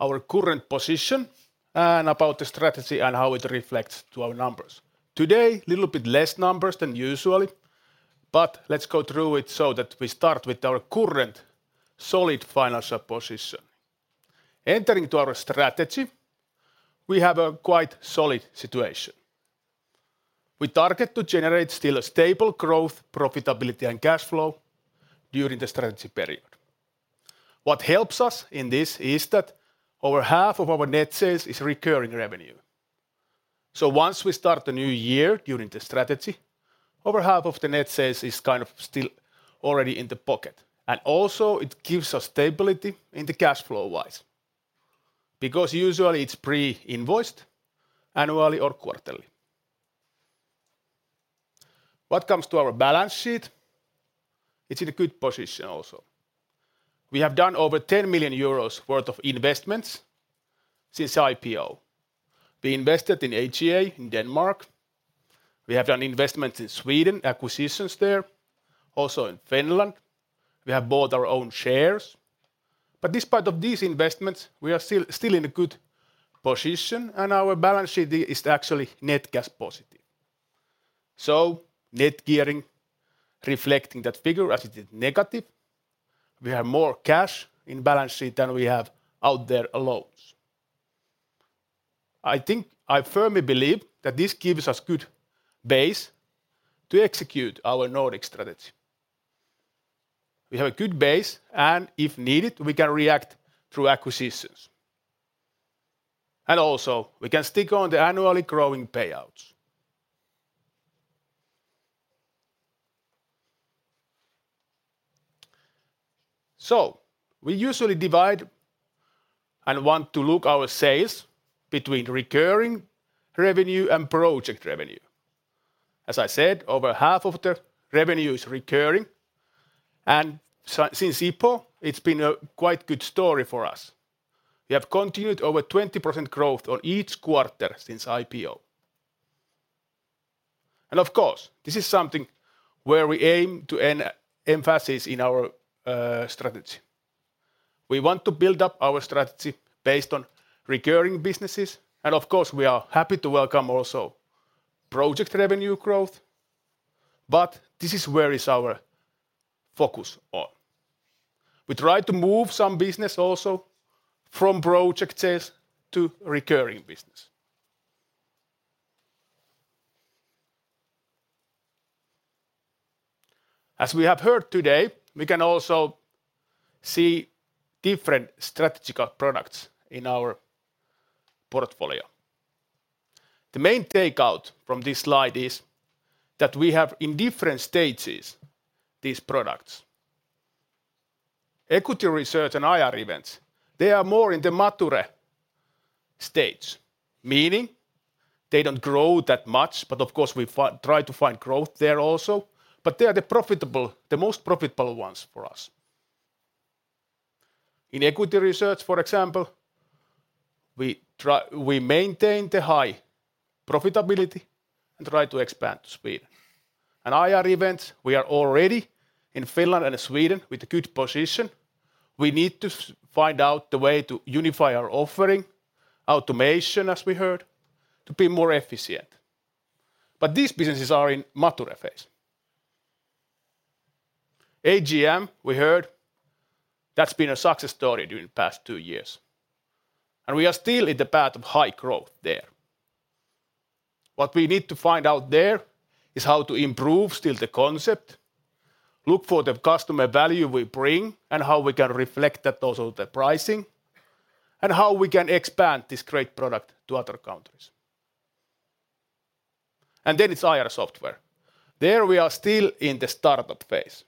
our current position and about the strategy and how it reflects to our numbers. Today, little bit less numbers than usually, but let's go through it so that we start with our current solid financial position. Entering to our strategy, we have a quite solid situation. We target to generate still a stable growth, profitability, and cash flow during the strategy period. What helps us in this is that over half of our net sales is recurring revenue. Once we start the new year during the strategy, over half of the net sales is kind of still already in the pocket, and also it gives us stability in the cash flow-wise. Usually it's pre-invoiced annually or quarterly. What comes to our balance sheet, it's in a good position also. We have done over 10 million euros worth of investments since IPO. We invested in HCA in Denmark. We have done investments in Sweden, acquisitions there, also in Finland. We have bought our own shares. Despite of these investments, we are still in a good position, and our balance sheet is actually net cash positive. Net gearing reflecting that figure as it is negative, we have more cash in balance sheet than we have out there alone. I think, I firmly believe that this gives us good base to execute our Nordic strategy. We have a good base, if needed, we can react through acquisitions. Also, we can stick on the annually growing payouts. We usually divide and want to look our sales between recurring revenue and project revenue. As I said, over half of the revenue is recurring, and since IPO, it's been a quite good story for us. We have continued over 20% growth on each quarter since IPO. Of course, this is something where we aim to emphasis in our strategy. We want to build up our strategy based on recurring businesses, and of course, we are happy to welcome also project revenue growth, but this is where is our focus on. We try to move some business also from project sales to recurring business. As we have heard today, we can also see different strategic products in our portfolio. The main takeout from this slide is that we have, in different stages, these products. Equity research and IR events, they are more in the mature stage, meaning they don't grow that much. Of course, we try to find growth there also, they are the profitable, the most profitable ones for us. In equity research, for example, we maintain the high profitability and try to expand to Sweden. IR events, we are already in Finland and Sweden with a good position. We need to find out the way to unify our offering, automation, as we heard, to be more efficient. These businesses are in mature phase. AGM, we heard, that's been a success story during the past two years, we are still in the path of high growth there. What we need to find out there is how to improve still the concept, look for the customer value we bring, and how we can reflect that also the pricing. How we can expand this great product to other countries. Then it's IR Software. There we are still in the startup phase,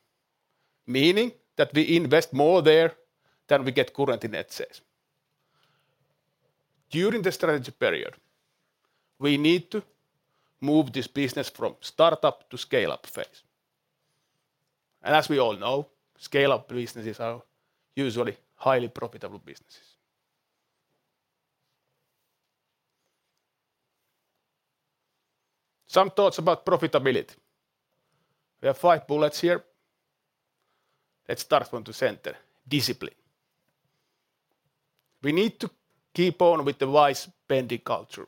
meaning that we invest more there than we get current in net sales. During the strategy period, we need to move this business from startup to scale-up phase. As we all know, scale-up businesses are usually highly profitable businesses. Some thoughts about profitability. We have five bullets here. Let's start from the center, discipline. We need to keep on with the wise spending culture.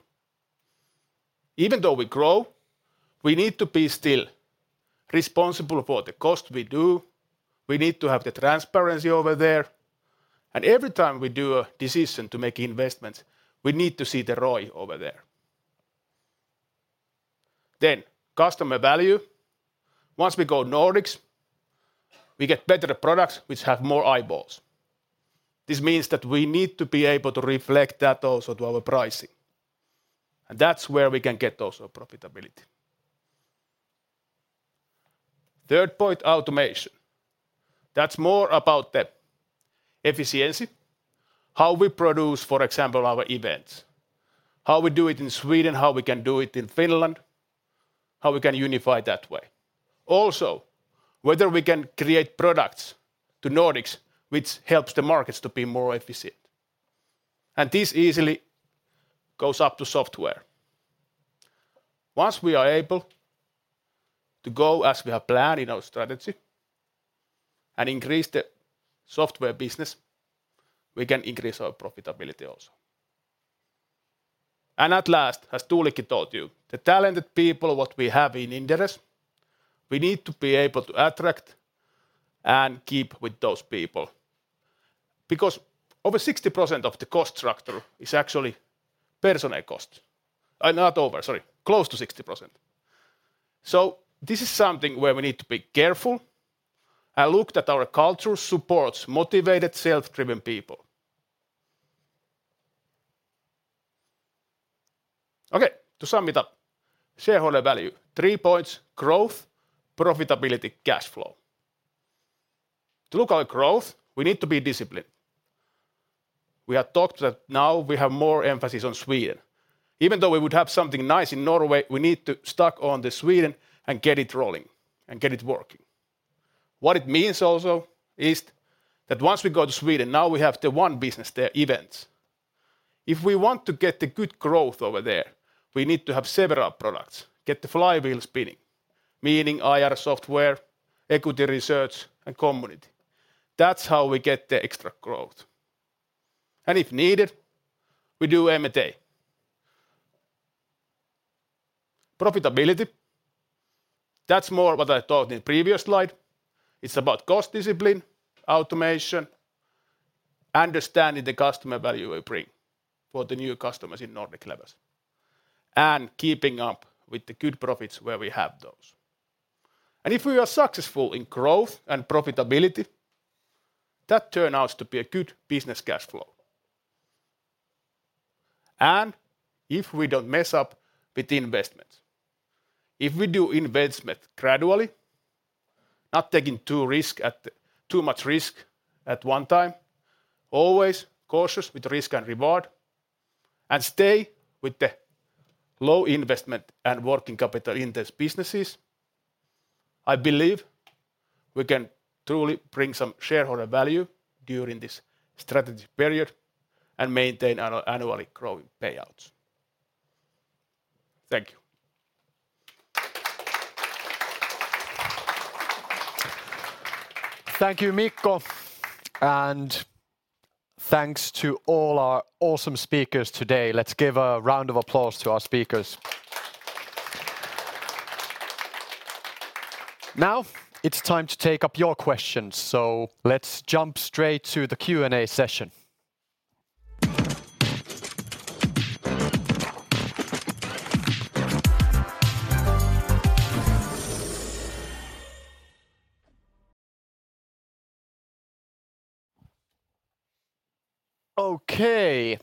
Even though we grow, we need to be still responsible for the cost we do, we need to have the transparency over there, and every time we do a decision to make investments, we need to see the ROI over there. Customer value. Once we go Nordics, we get better products which have more eyeballs. This means that we need to be able to reflect that also to our pricing, and that's where we can get also profitability. Third point, automation. That's more about the efficiency, how we produce, for example, our events, how we do it in Sweden, how we can do it in Finland, how we can unify that way. Whether we can create products to Nordics, which helps the markets to be more efficient. This easily goes up to software. Once we are able to go as we have planned in our strategy and increase the software business, we can increase our profitability also. At last, as Tuulikki told you, the talented people what we have in Inderes, we need to be able to attract and keep with those people. Over 60% of the cost structure is actually personal cost. Not over, sorry, close to 60%. This is something where we need to be careful and look that our culture supports motivated, self-driven people. Okay, to sum it up, shareholder value, 3 points: growth, profitability, cash flow. To look our growth, we need to be disciplined. We have talked that now we have more emphasis on Sweden. Even though we would have something nice in Norway, we need to stuck on the Sweden and get it rolling and get it working. What it means also is that once we go to Sweden, now we have the one business there, events. If we want to get the good growth over there, we need to have several products, get the flywheel spinning, meaning IR Software, equity research, and community. That's how we get the extra growth. If needed, we do M&A. Profitability, that's more what I talked in previous slide. It's about cost discipline, automation, understanding the customer value we bring for the new customers in Nordic levers, and keeping up with the good profits where we have those. If we are successful in growth and profitability, that turn out to be a good business cash flow. If we don't mess up with the investments, if we do investment gradually, not taking too much risk at one time, always cautious with risk and reward, and stay with the low investment and working capital in these businesses, I believe we can truly bring some shareholder value during this strategic period and maintain annually growing payouts. Thank you. Thank you, Mikko, and thanks to all our awesome speakers today. Let's give a round of applause to our speakers. Now, it's time to take up your questions, so let's jump straight to the Q&A session. Okay,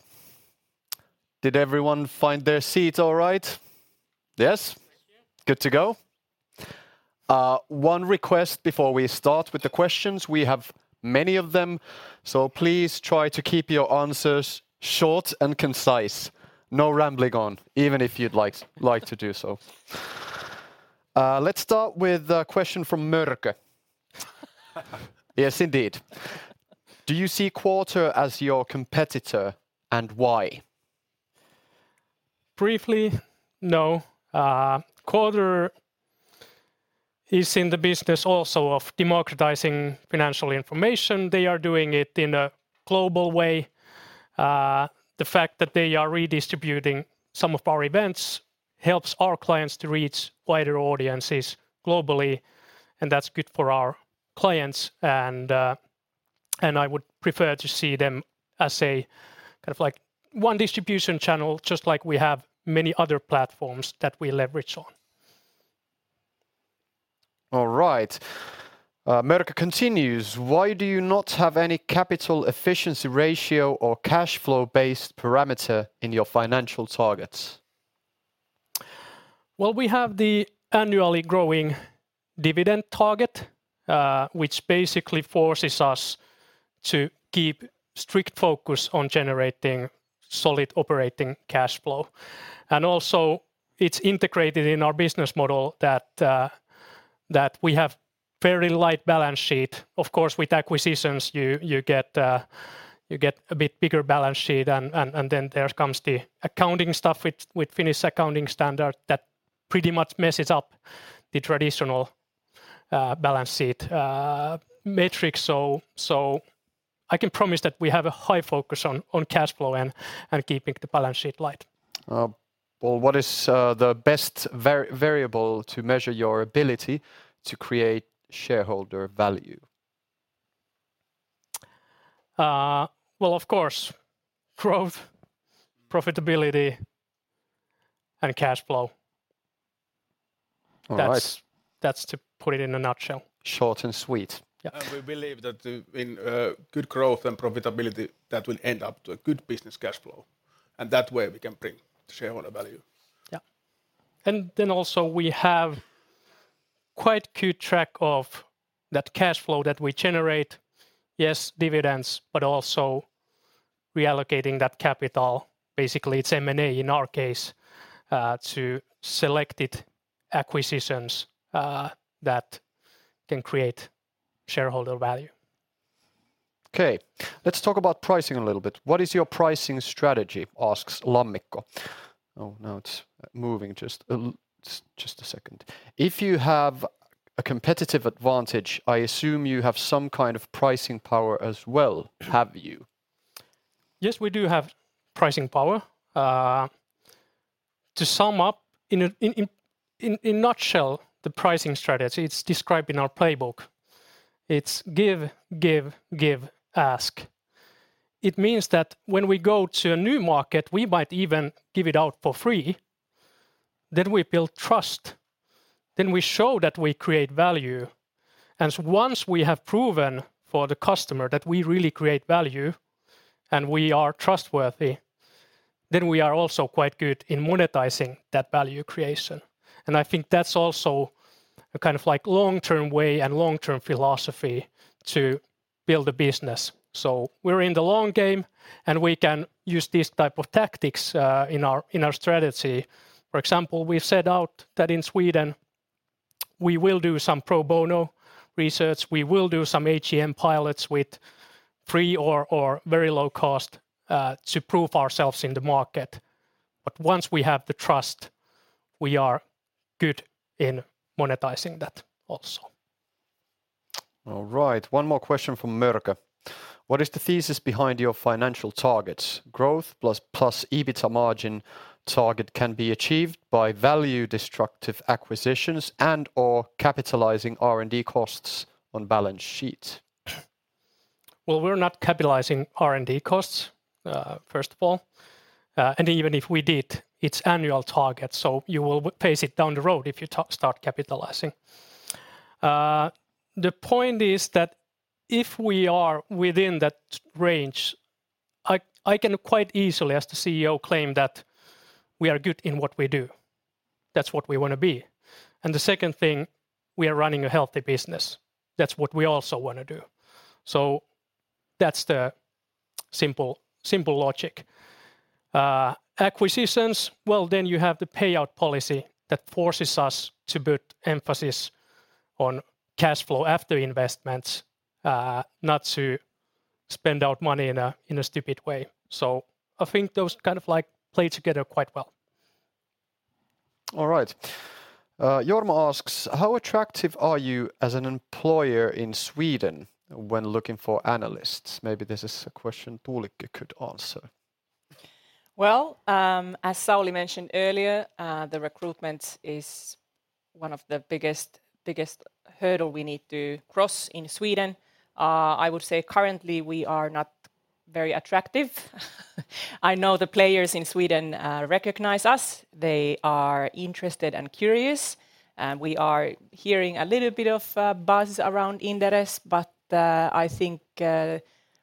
did everyone find their seats all right? Yes? Yes. Good to go. One request before we start with the questions. We have many of them, please try to keep your answers short and concise. No rambling on, even if you'd like to do so. Let's start with a question from Mörkö. Yes, indeed. "Do you see Quartr as your competitor, and why? Briefly, no. Quartr is in the business also of democratizing financial information. They are doing it in a global way. The fact that they are redistributing some of our events helps our clients to reach wider audiences globally. That's good for our clients, and I would prefer to see them as a, kind of like, one distribution channel, just like we have many other platforms that we leverage on. All right, Mörkö continues: "Why do you not have any capital efficiency ratio or cash flow-based parameter in your financial targets? Well, we have the annually growing dividend target, which basically forces us to keep strict focus on generating solid operating cash flow. Also, it's integrated in our business model that we have very light balance sheet. Of course, with acquisitions, you get a bit bigger balance sheet, and then there comes the accounting stuff with Finnish accounting standard that pretty much messes up the traditional balance sheet metric. I can promise that we have a high focus on cash flow and keeping the balance sheet light. Well, what is the best variable to measure your ability to create shareholder value? Well, of course, growth, profitability, and cash flow. All right. That's to put it in a nutshell. Short and sweet. Yeah. We believe that the, in, good growth and profitability, that will end up to a good business cash flow, and that way we can bring shareholder value. Yeah. Also we have quite good track of that cash flow that we generate. Yes, dividends, but also reallocating that capital. Basically, it's M&A in our case, to selected acquisitions, that can create shareholder value. Okay, let's talk about pricing a little bit. What is your pricing strategy? asks Lammikko. Now it's moving just a second. If you have a competitive advantage, I assume you have some kind of pricing power as well. Have you? Yes, we do have pricing power. To sum up in a nutshell, the pricing strategy, it's described in our Playbook. It's give, ask. It means that when we go to a new market, we might even give it out for free, we build trust, we show that we create value. Once we have proven for the customer that we really create value and we are trustworthy, we are also quite good in monetizing that value creation. I think that's also a kind of like long-term way and long-term philosophy to build a business. We're in the long game, we can use these type of tactics in our strategy. For example, we've set out that in Sweden we will do some pro bono research, we will do some AGM pilots with free or very low cost to prove ourselves in the market. Once we have the trust, we are good in monetizing that also. All right, one more question from Mörkö: "What is the thesis behind your financial targets? Growth plus EBITDA margin target can be achieved by value-destructive acquisitions and/or capitalizing R&D costs on balance sheet. Well, we're not capitalizing R&D costs, first of all, and even if we did, it's annual target, so you will pay it down the road if you start capitalizing. The point is that if we are within that range, I can quite easily, as the CEO, claim that we are good in what we do. That's what we wanna be. The second thing, we are running a healthy business. That's what we also wanna do. That's the simple logic. Acquisitions, well, then you have the payout policy that forces us to put emphasis on cash flow after investments, not to spend out money in a stupid way. I think those kind of, like, play together quite well. All right. Jorma asks: "How attractive are you as an employer in Sweden when looking for analysts?" Maybe this is a question Tuulikki could answer. As Sauli mentioned earlier, the recruitment is one of the biggest hurdle we need to cross in Sweden. I would say currently, we are not very attractive. I know the players in Sweden, recognize us. They are interested and curious, and we are hearing a little bit of buzz around Inderes, I think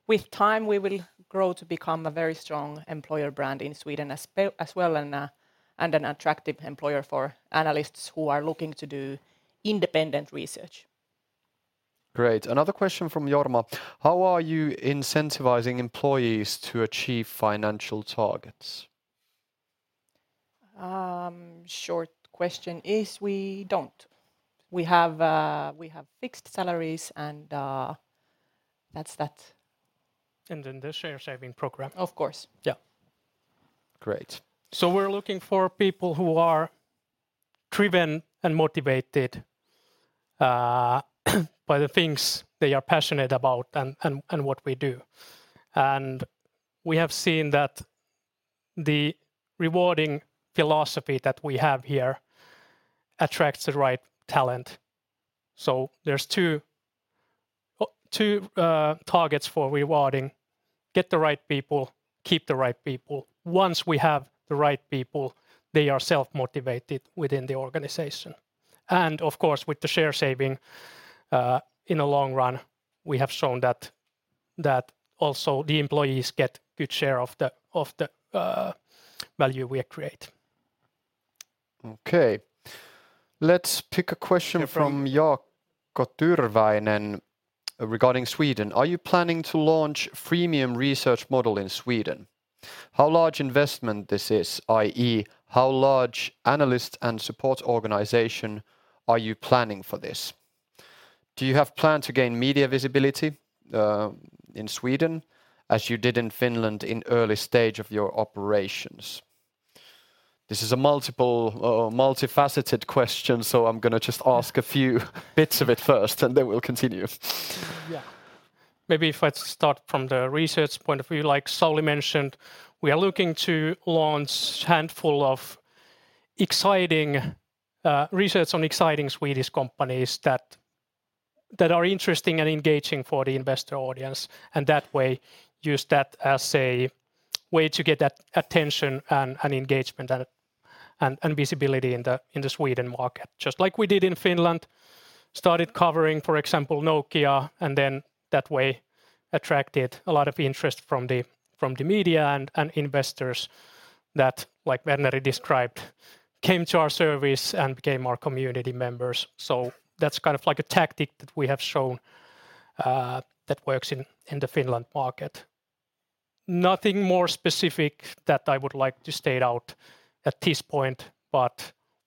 with time, we will grow to become a very strong employer brand in Sweden as well, and an attractive employer for analysts who are looking to do independent research. Great. Another question from Jorma: "How are you incentivizing employees to achieve financial targets? Short question is, we don't. We have fixed salaries, and that's that. The Share Saving Program. Of course. Yeah. Great. We're looking for people who are driven and motivated by the things they are passionate about and what we do. We have seen that the rewarding philosophy that we have here attracts the right talent. There's two targets for rewarding: get the right people, keep the right people. Once we have the right people, they are self-motivated within the organization. Of course, with the share saving in the long run, we have shown that also the employees get good share of the value we create. Okay. Let's pick a question from Jaakko Tyrväinen regarding Sweden. "Are you planning to launch freemium research model in Sweden? How large investment this is, i.e., how large analyst and support organization are you planning for this? Do you have plan to gain media visibility in Sweden, as you did in Finland in early stage of your operations?" This is a multiple, multifaceted question, I'm gonna just ask a few bits of it first, and then we'll continue. Maybe if I start from the research point of view, like Sauli mentioned, we are looking to launch handful of exciting research on exciting Swedish companies that are interesting and engaging for the investor audience, and that way, use that as a way to get that attention and engagement and, and visibility in the, in the Sweden market. Just like we did in Finland, started covering, for example, Nokia, and then that way, attracted a lot of interest from the, from the media and investors that, like Verneri described, came to our service and became our community members. That's kind of like a tactic that we have shown that works in the Finland market. Nothing more specific that I would like to state out at this point.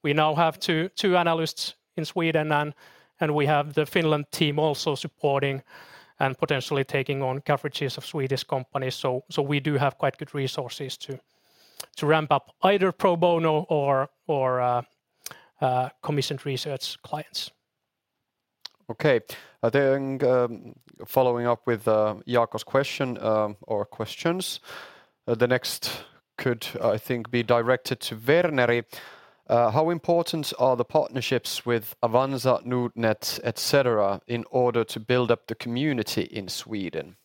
We now have two analysts in Sweden, and we have the Finland team also supporting and potentially taking on coverages of Swedish companies. We do have quite good resources to ramp up either pro bono or commissioned research clients. Okay. Following up with Jaakko's question, or questions, the next could, I think, be directed to Verneri. "How important are the partnerships with Avanza, Nordnet, et cetera, in order to build up the community in Sweden?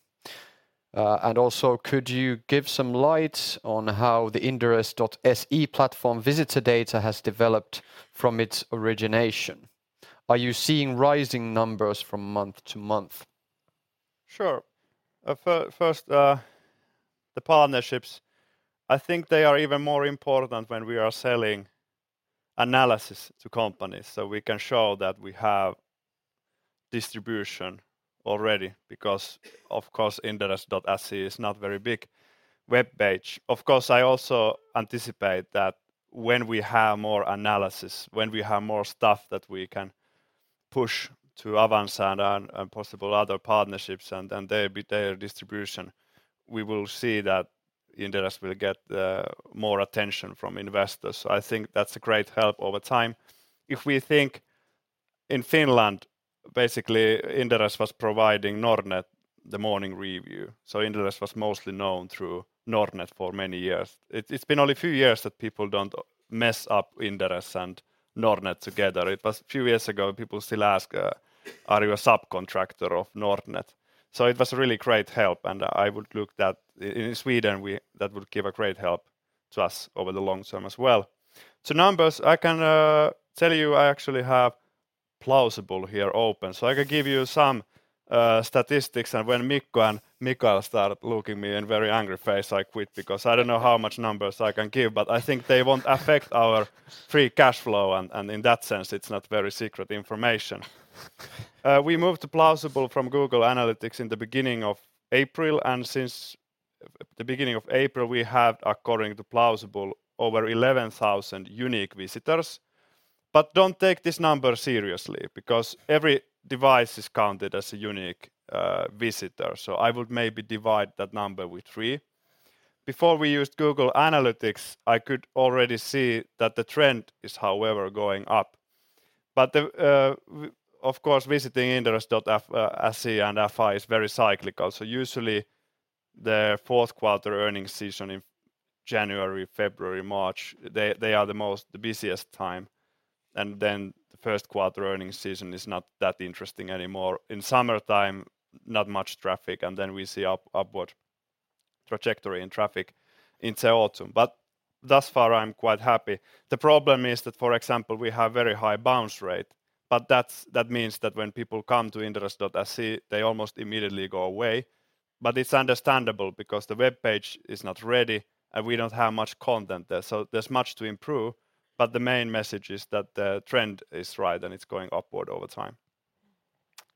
Also, could you give some light on how the inderes.se platform visitor data has developed from its origination? Are you seeing rising numbers from month to month? Sure. First, the partnerships, I think they are even more important when we are selling analysis to companies, so we can show that we have distribution already, because of course, inderes.se is not very big web page. Of course, I also anticipate that when we have more analysis, when we have more stuff that we can push to Avanza and possible other partnerships, and then their distribution, we will see that Inderes will get more attention from investors. I think that's a great help over time. If we think in Finland, basically, Inderes was providing Nordnet the morning review, so Inderes was mostly known through Nordnet for many years. It's been only a few years that people don't mess up Inderes and Nordnet together. It was few years ago, people still ask, "Are you a subcontractor of Nordnet?" It was a really great help, and I would look that in Sweden, That would give a great help to us over the long term as well. To numbers, I can tell you I actually have Plausible here open, so I can give you some statistics. When Mikko and Mikael start looking me in very angry face, I quit, because I don't know how much numbers I can give, but I think they won't affect our free cash flow, and in that sense, it's not very secret information. We moved to Plausible from Google Analytics in the beginning of April, and since the beginning of April, we have, according to Plausible, over 11,000 unique visitors. Don't take this number seriously, because every device is counted as a unique visitor, so I would maybe divide that number with three. Before we used Google Analytics, I could already see that the trend is, however, going up. The, of course, visiting inderes.se and inderes.fi is very cyclical, so usually, the fourth quarter earnings season in January, February, March, they are the most, the busiest time, and then the first quarter earnings season is not that interesting anymore. In summertime, not much traffic, and then we see upward trajectory in traffic into autumn. Thus far, I'm quite happy. The problem is that, for example, we have very high bounce rate, but that's.. that means that when people come to inderes.se, they almost immediately go away, it's understandable, because the web page is not ready, and we don't have much content there. There's much to improve, but the main message is that the trend is right, and it's going upward over time.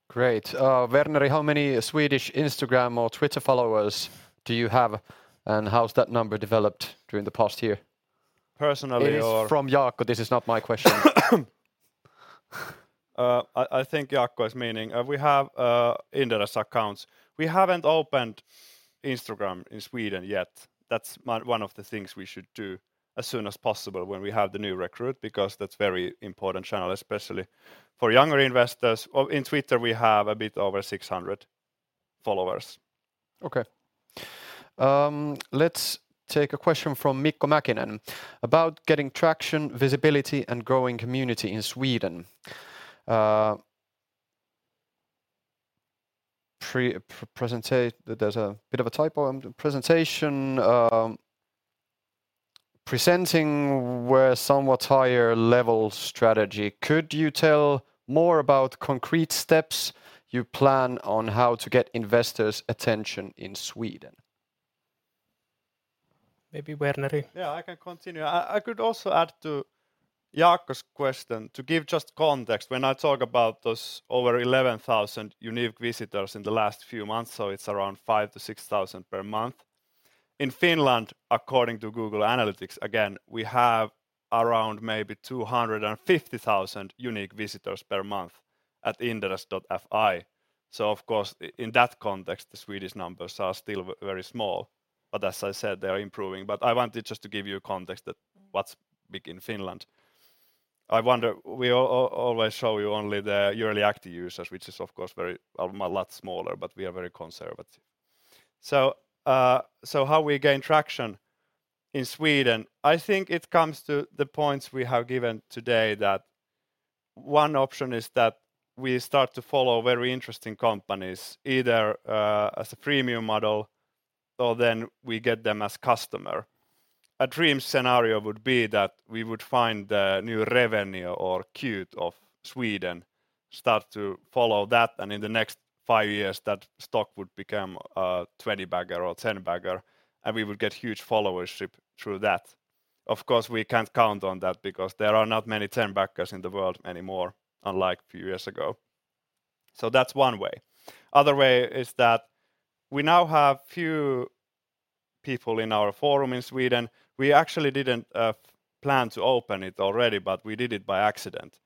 Great. Verneri, how many Swedish Instagram or Twitter followers do you have, and how has that number developed during the past year? Personally It's from Jaakko. This is not my question. I think Jaakko is meaning, we have Inderes accounts. We haven't opened Instagram in Sweden yet. That's one of the things we should do as soon as possible when we have the new recruit, because that's very important channel, especially for younger investors. In Twitter, we have a bit over 600 followers. Okay. Let's take a question from Mikko Mäkinen about getting traction, visibility, and growing community in Sweden. There's a bit of a typo on the presentation. Presenting where somewhat higher level strategy, could you tell more about concrete steps you plan on how to get investors' attention in Sweden? Maybe Verneri. Yeah, I can continue. I could also add to Jacob's question, to give just context, when I talk about those over 11,000 unique visitors in the last few months, so it's around 5,000-6,000 per month. In Finland, according to Google Analytics, again, we have around maybe 250,000 unique visitors per month at inderes.fi. Of course, in that context, the Swedish numbers are still very small, but as I said, they are improving. I wanted just to give you context that what's big in Finland. I wonder, we always show you only the yearly active users, which is of course, very... A lot smaller, but we are very conservative. How we gain traction in Sweden? I think it comes to the points we have given today, that one option is that we start to follow very interesting companies, either as a premium model, or then we get them as customer. A dream scenario would be that we would find the new revenue or cute of Sweden, start to follow that, and in the next five years, that stock would become a 20 bagger or 10 bagger, and we would get huge followership through that. Of course, we can't count on that because there are not many 10 baggers in the world anymore, unlike few years ago. That's one way. Other way is that we now have few people in our Forum in Sweden. We actually didn't plan to open it already, but we did it by accident.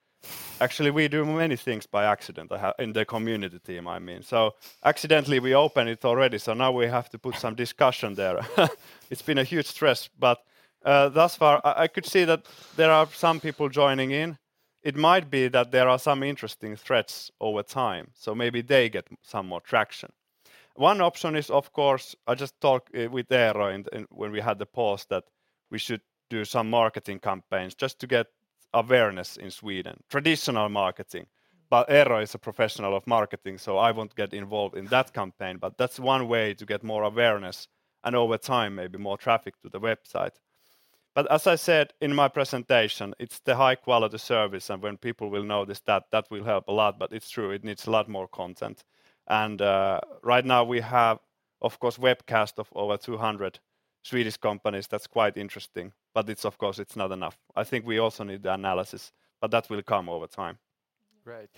Actually, we do many things by accident in the community team, I mean. Accidentally, we opened it already, so now we have to put some discussion there. It's been a huge stress, but thus far, I could see that there are some people joining in. It might be that there are some interesting threads over time, so maybe they get some more traction. One option is, of course, I just talked with Eero when we had the pause, that we should do some marketing campaigns just to get awareness in Sweden, traditional marketing. Eero is a professional of marketing, so I won't get involved in that campaign, but that's one way to get more awareness, and over time, maybe more traffic to the website. As I said in my presentation, it's the high-quality service, and when people will notice that will help a lot, but it's true, it needs a lot more content. Right now we have, of course, webcast of over 200 Swedish companies. That's quite interesting, but it's of course, it's not enough. I think we also need the analysis, but that will come over time. Great.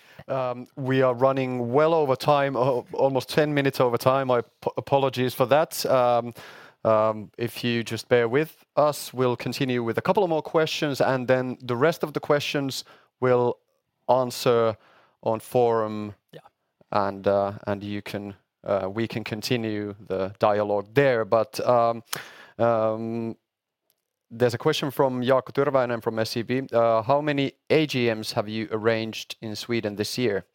We are running well over time, almost 10 minutes over time. I apologies for that. If you just bear with us, we'll continue with a couple of more questions, and then the rest of the questions we'll answer on Forum. Yeah You can, we can continue the dialogue there. There's a question from Jaakko Tyrväinen from SCB. How many AGMs have you arranged in Sweden this year?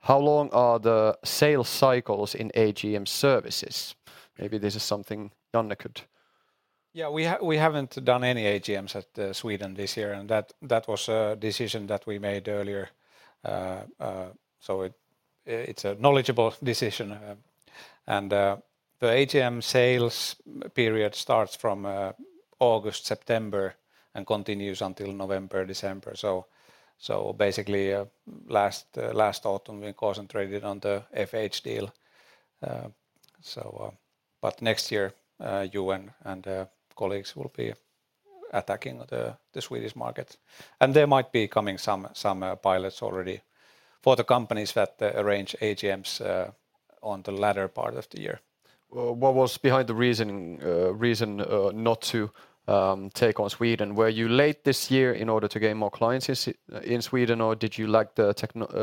How long are the sales cycles in AGM services? Maybe this is something Janne could. We haven't done any AGMs at Sweden this year, and that was a decision that we made earlier. It's a knowledgeable decision, the AGM sales period starts from August, September, and continues until November, December. Basically, last autumn, we concentrated on the FH deal. Next year, you and colleagues will be attacking the Swedish market. There might be coming some pilots already for the companies that arrange AGMs on the latter part of the year. Well, what was behind the reason not to take on Sweden? Were you late this year in order to gain more clients in Sweden, or did you lack the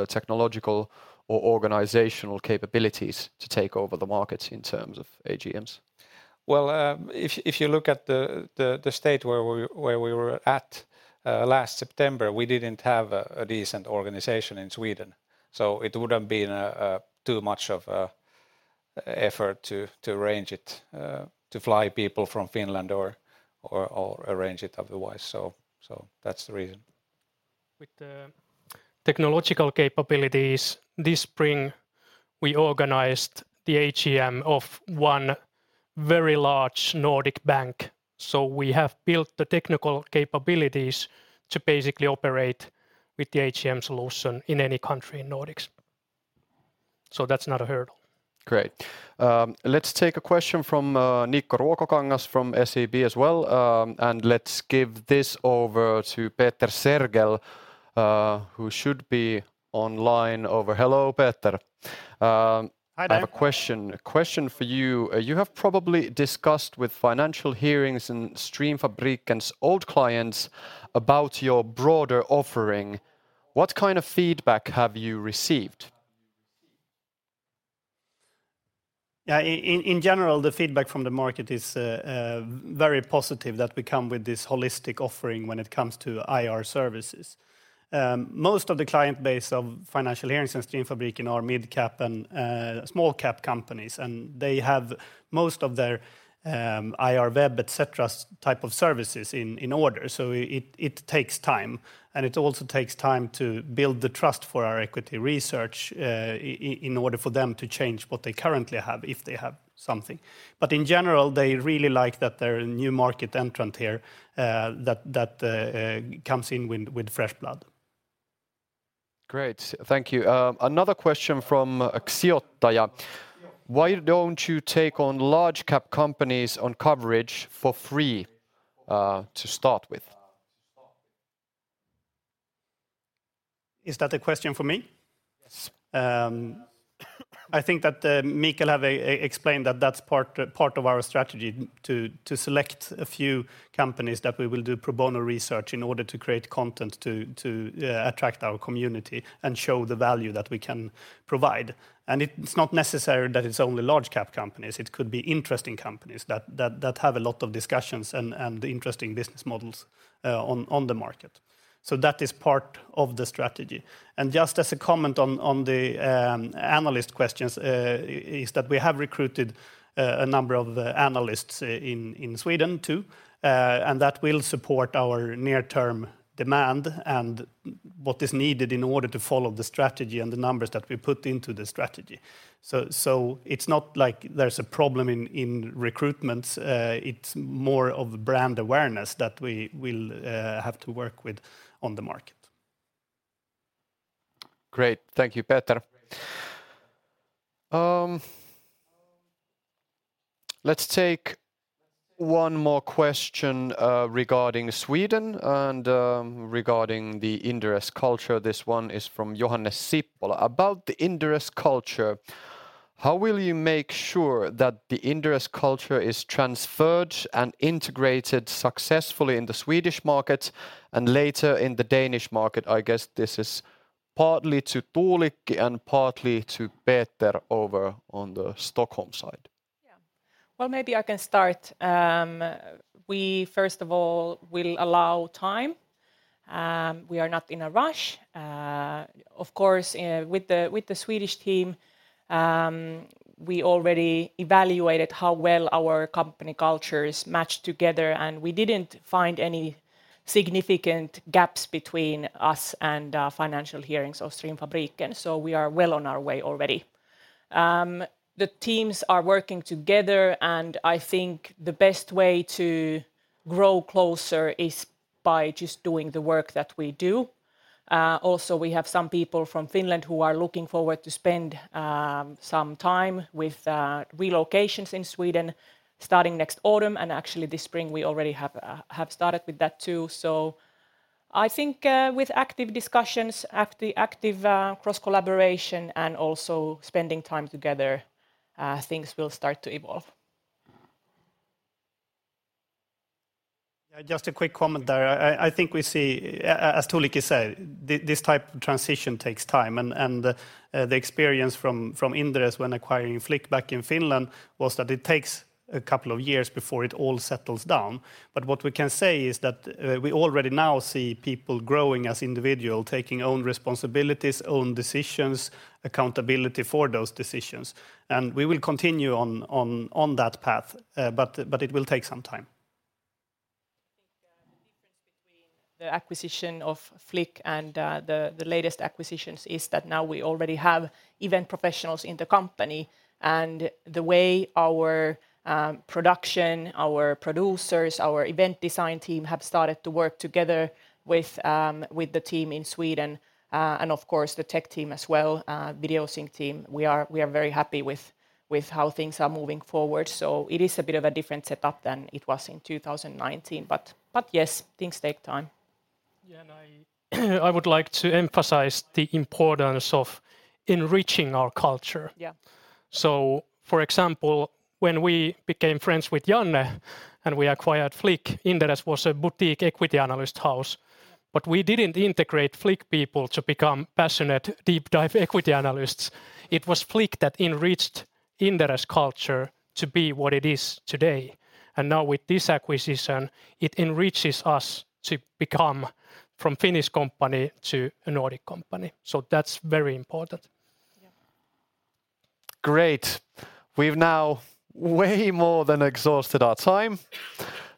technological or organizational capabilities to take over the markets in terms of AGMs? If you look at the state where we were at last September, we didn't have a decent organization in Sweden, so it would have been too much of an effort to arrange it, to fly people from Finland or arrange it otherwise. That's the reason. With the technological capabilities, this spring, we organized the AGM of one very large Nordic bank. We have built the technical capabilities to basically operate with the AGM solution in any country in Nordics. That's not a hurdle. Great. Let's take a question from Nikko Ruokangas from SCB as well, and let's give this over to Peter Sergel, who should be online over... Hello, Peter. Hi there. I have a question for you. You have probably discussed with Financial Hearings and Streamfabriken and old clients about your broader offering. What kind of feedback have you received? Yeah, in general, the feedback from the market is very positive that we come with this holistic offering when it comes to IR services. Most of the client base of Financial Hearings and Streamfabriken are mid-cap and small-cap companies, and they have most of their IR web, et cetera, type of services in order. It takes time, and it also takes time to build the trust for our equity research, in order for them to change what they currently have, if they have something. In general, they really like that there are a new market entrant here, that comes in with fresh blood. Great. Thank you. Another question from Atte Riikola: "Why don't you take on large cap companies on coverage for free, to start with? Is that a question for me? Yes. I think that Mikael have explained that that's part of our strategy to select a few companies that we will do pro bono research in order to create content to attract our community and show the value that we can provide. It's not necessary that it's only large-cap companies, it could be interesting companies that have a lot of discussions and interesting business models on the market. That is part of the strategy. Just as a comment on the analyst questions, is that we have recruited a number of analysts in Sweden, too. That will support our near-term demand, and what is needed in order to follow the strategy and the numbers that we put into the strategy. It's not like there's a problem in recruitment, it's more of brand awareness that we will have to work with on the market. Great. Thank you, Peter. Let's take one more question regarding Sweden and regarding the Inderes culture. This one is from Johannes Sippola: "About the Inderes culture, how will you make sure that the Inderes culture is transferred and integrated successfully in the Swedish market and later in the Danish market?" I guess this is partly to Tuulikki and partly to Peter over on the Stockholm side. Well, maybe I can start. We, first of all, will allow time. We are not in a rush. Of course, with the Swedish team, we already evaluated how well our company cultures matched together, and we didn't find any significant gaps between us and Financial Hearings or Streamfabriken. We are well on our way already. The teams are working together, and I think the best way to grow closer is by just doing the work that we do. Also, we have some people from Finland who are looking forward to spend some time with relocations in Sweden starting next autumn, and actually this spring we already have started with that, too. I think, with active discussions, active cross-collaboration, and also spending time together, things will start to evolve. Yeah, just a quick comment there. I think we see. As Tuulikki said, this type of transition takes time, and the experience from Inderes when acquiring FLIK back in Finland, was that it takes a couple of years before it all settles down. What we can say is that we already now see people growing as individual, taking own responsibilities, own decisions, accountability for those decisions, and we will continue on that path, but it will take some time. I think the difference between the acquisition of FLIK and the latest acquisitions is that now we already have event professionals in the company, and the way our production, our producers, our event design team, have started to work together with the team in Sweden, and of course, the tech team as well, video sync team, we are very happy with how things are moving forward. It is a bit of a different setup than it was in 2019, yes, things take time. Yeah, I would like to emphasize the importance of enriching our culture. Yeah. For example, when we became friends with Janne, and we acquired FLIK, Inderes was a boutique equity analyst house, but we didn't integrate FLIK people to become passionate, deep-dive equity analysts. It was FLIK that enriched Inderes culture to be what it is today. Now with this acquisition, it enriches us to become from Finnish company to a Nordic company, so that's very important. Yeah. Great. We've now way more than exhausted our time,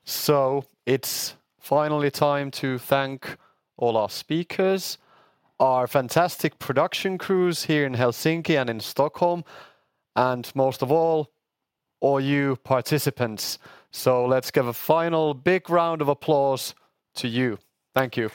so it's finally time to thank all our speakers, our fantastic production crews here in Helsinki and in Stockholm, and most of all you participants. Let's give a final big round of applause to you. Thank you.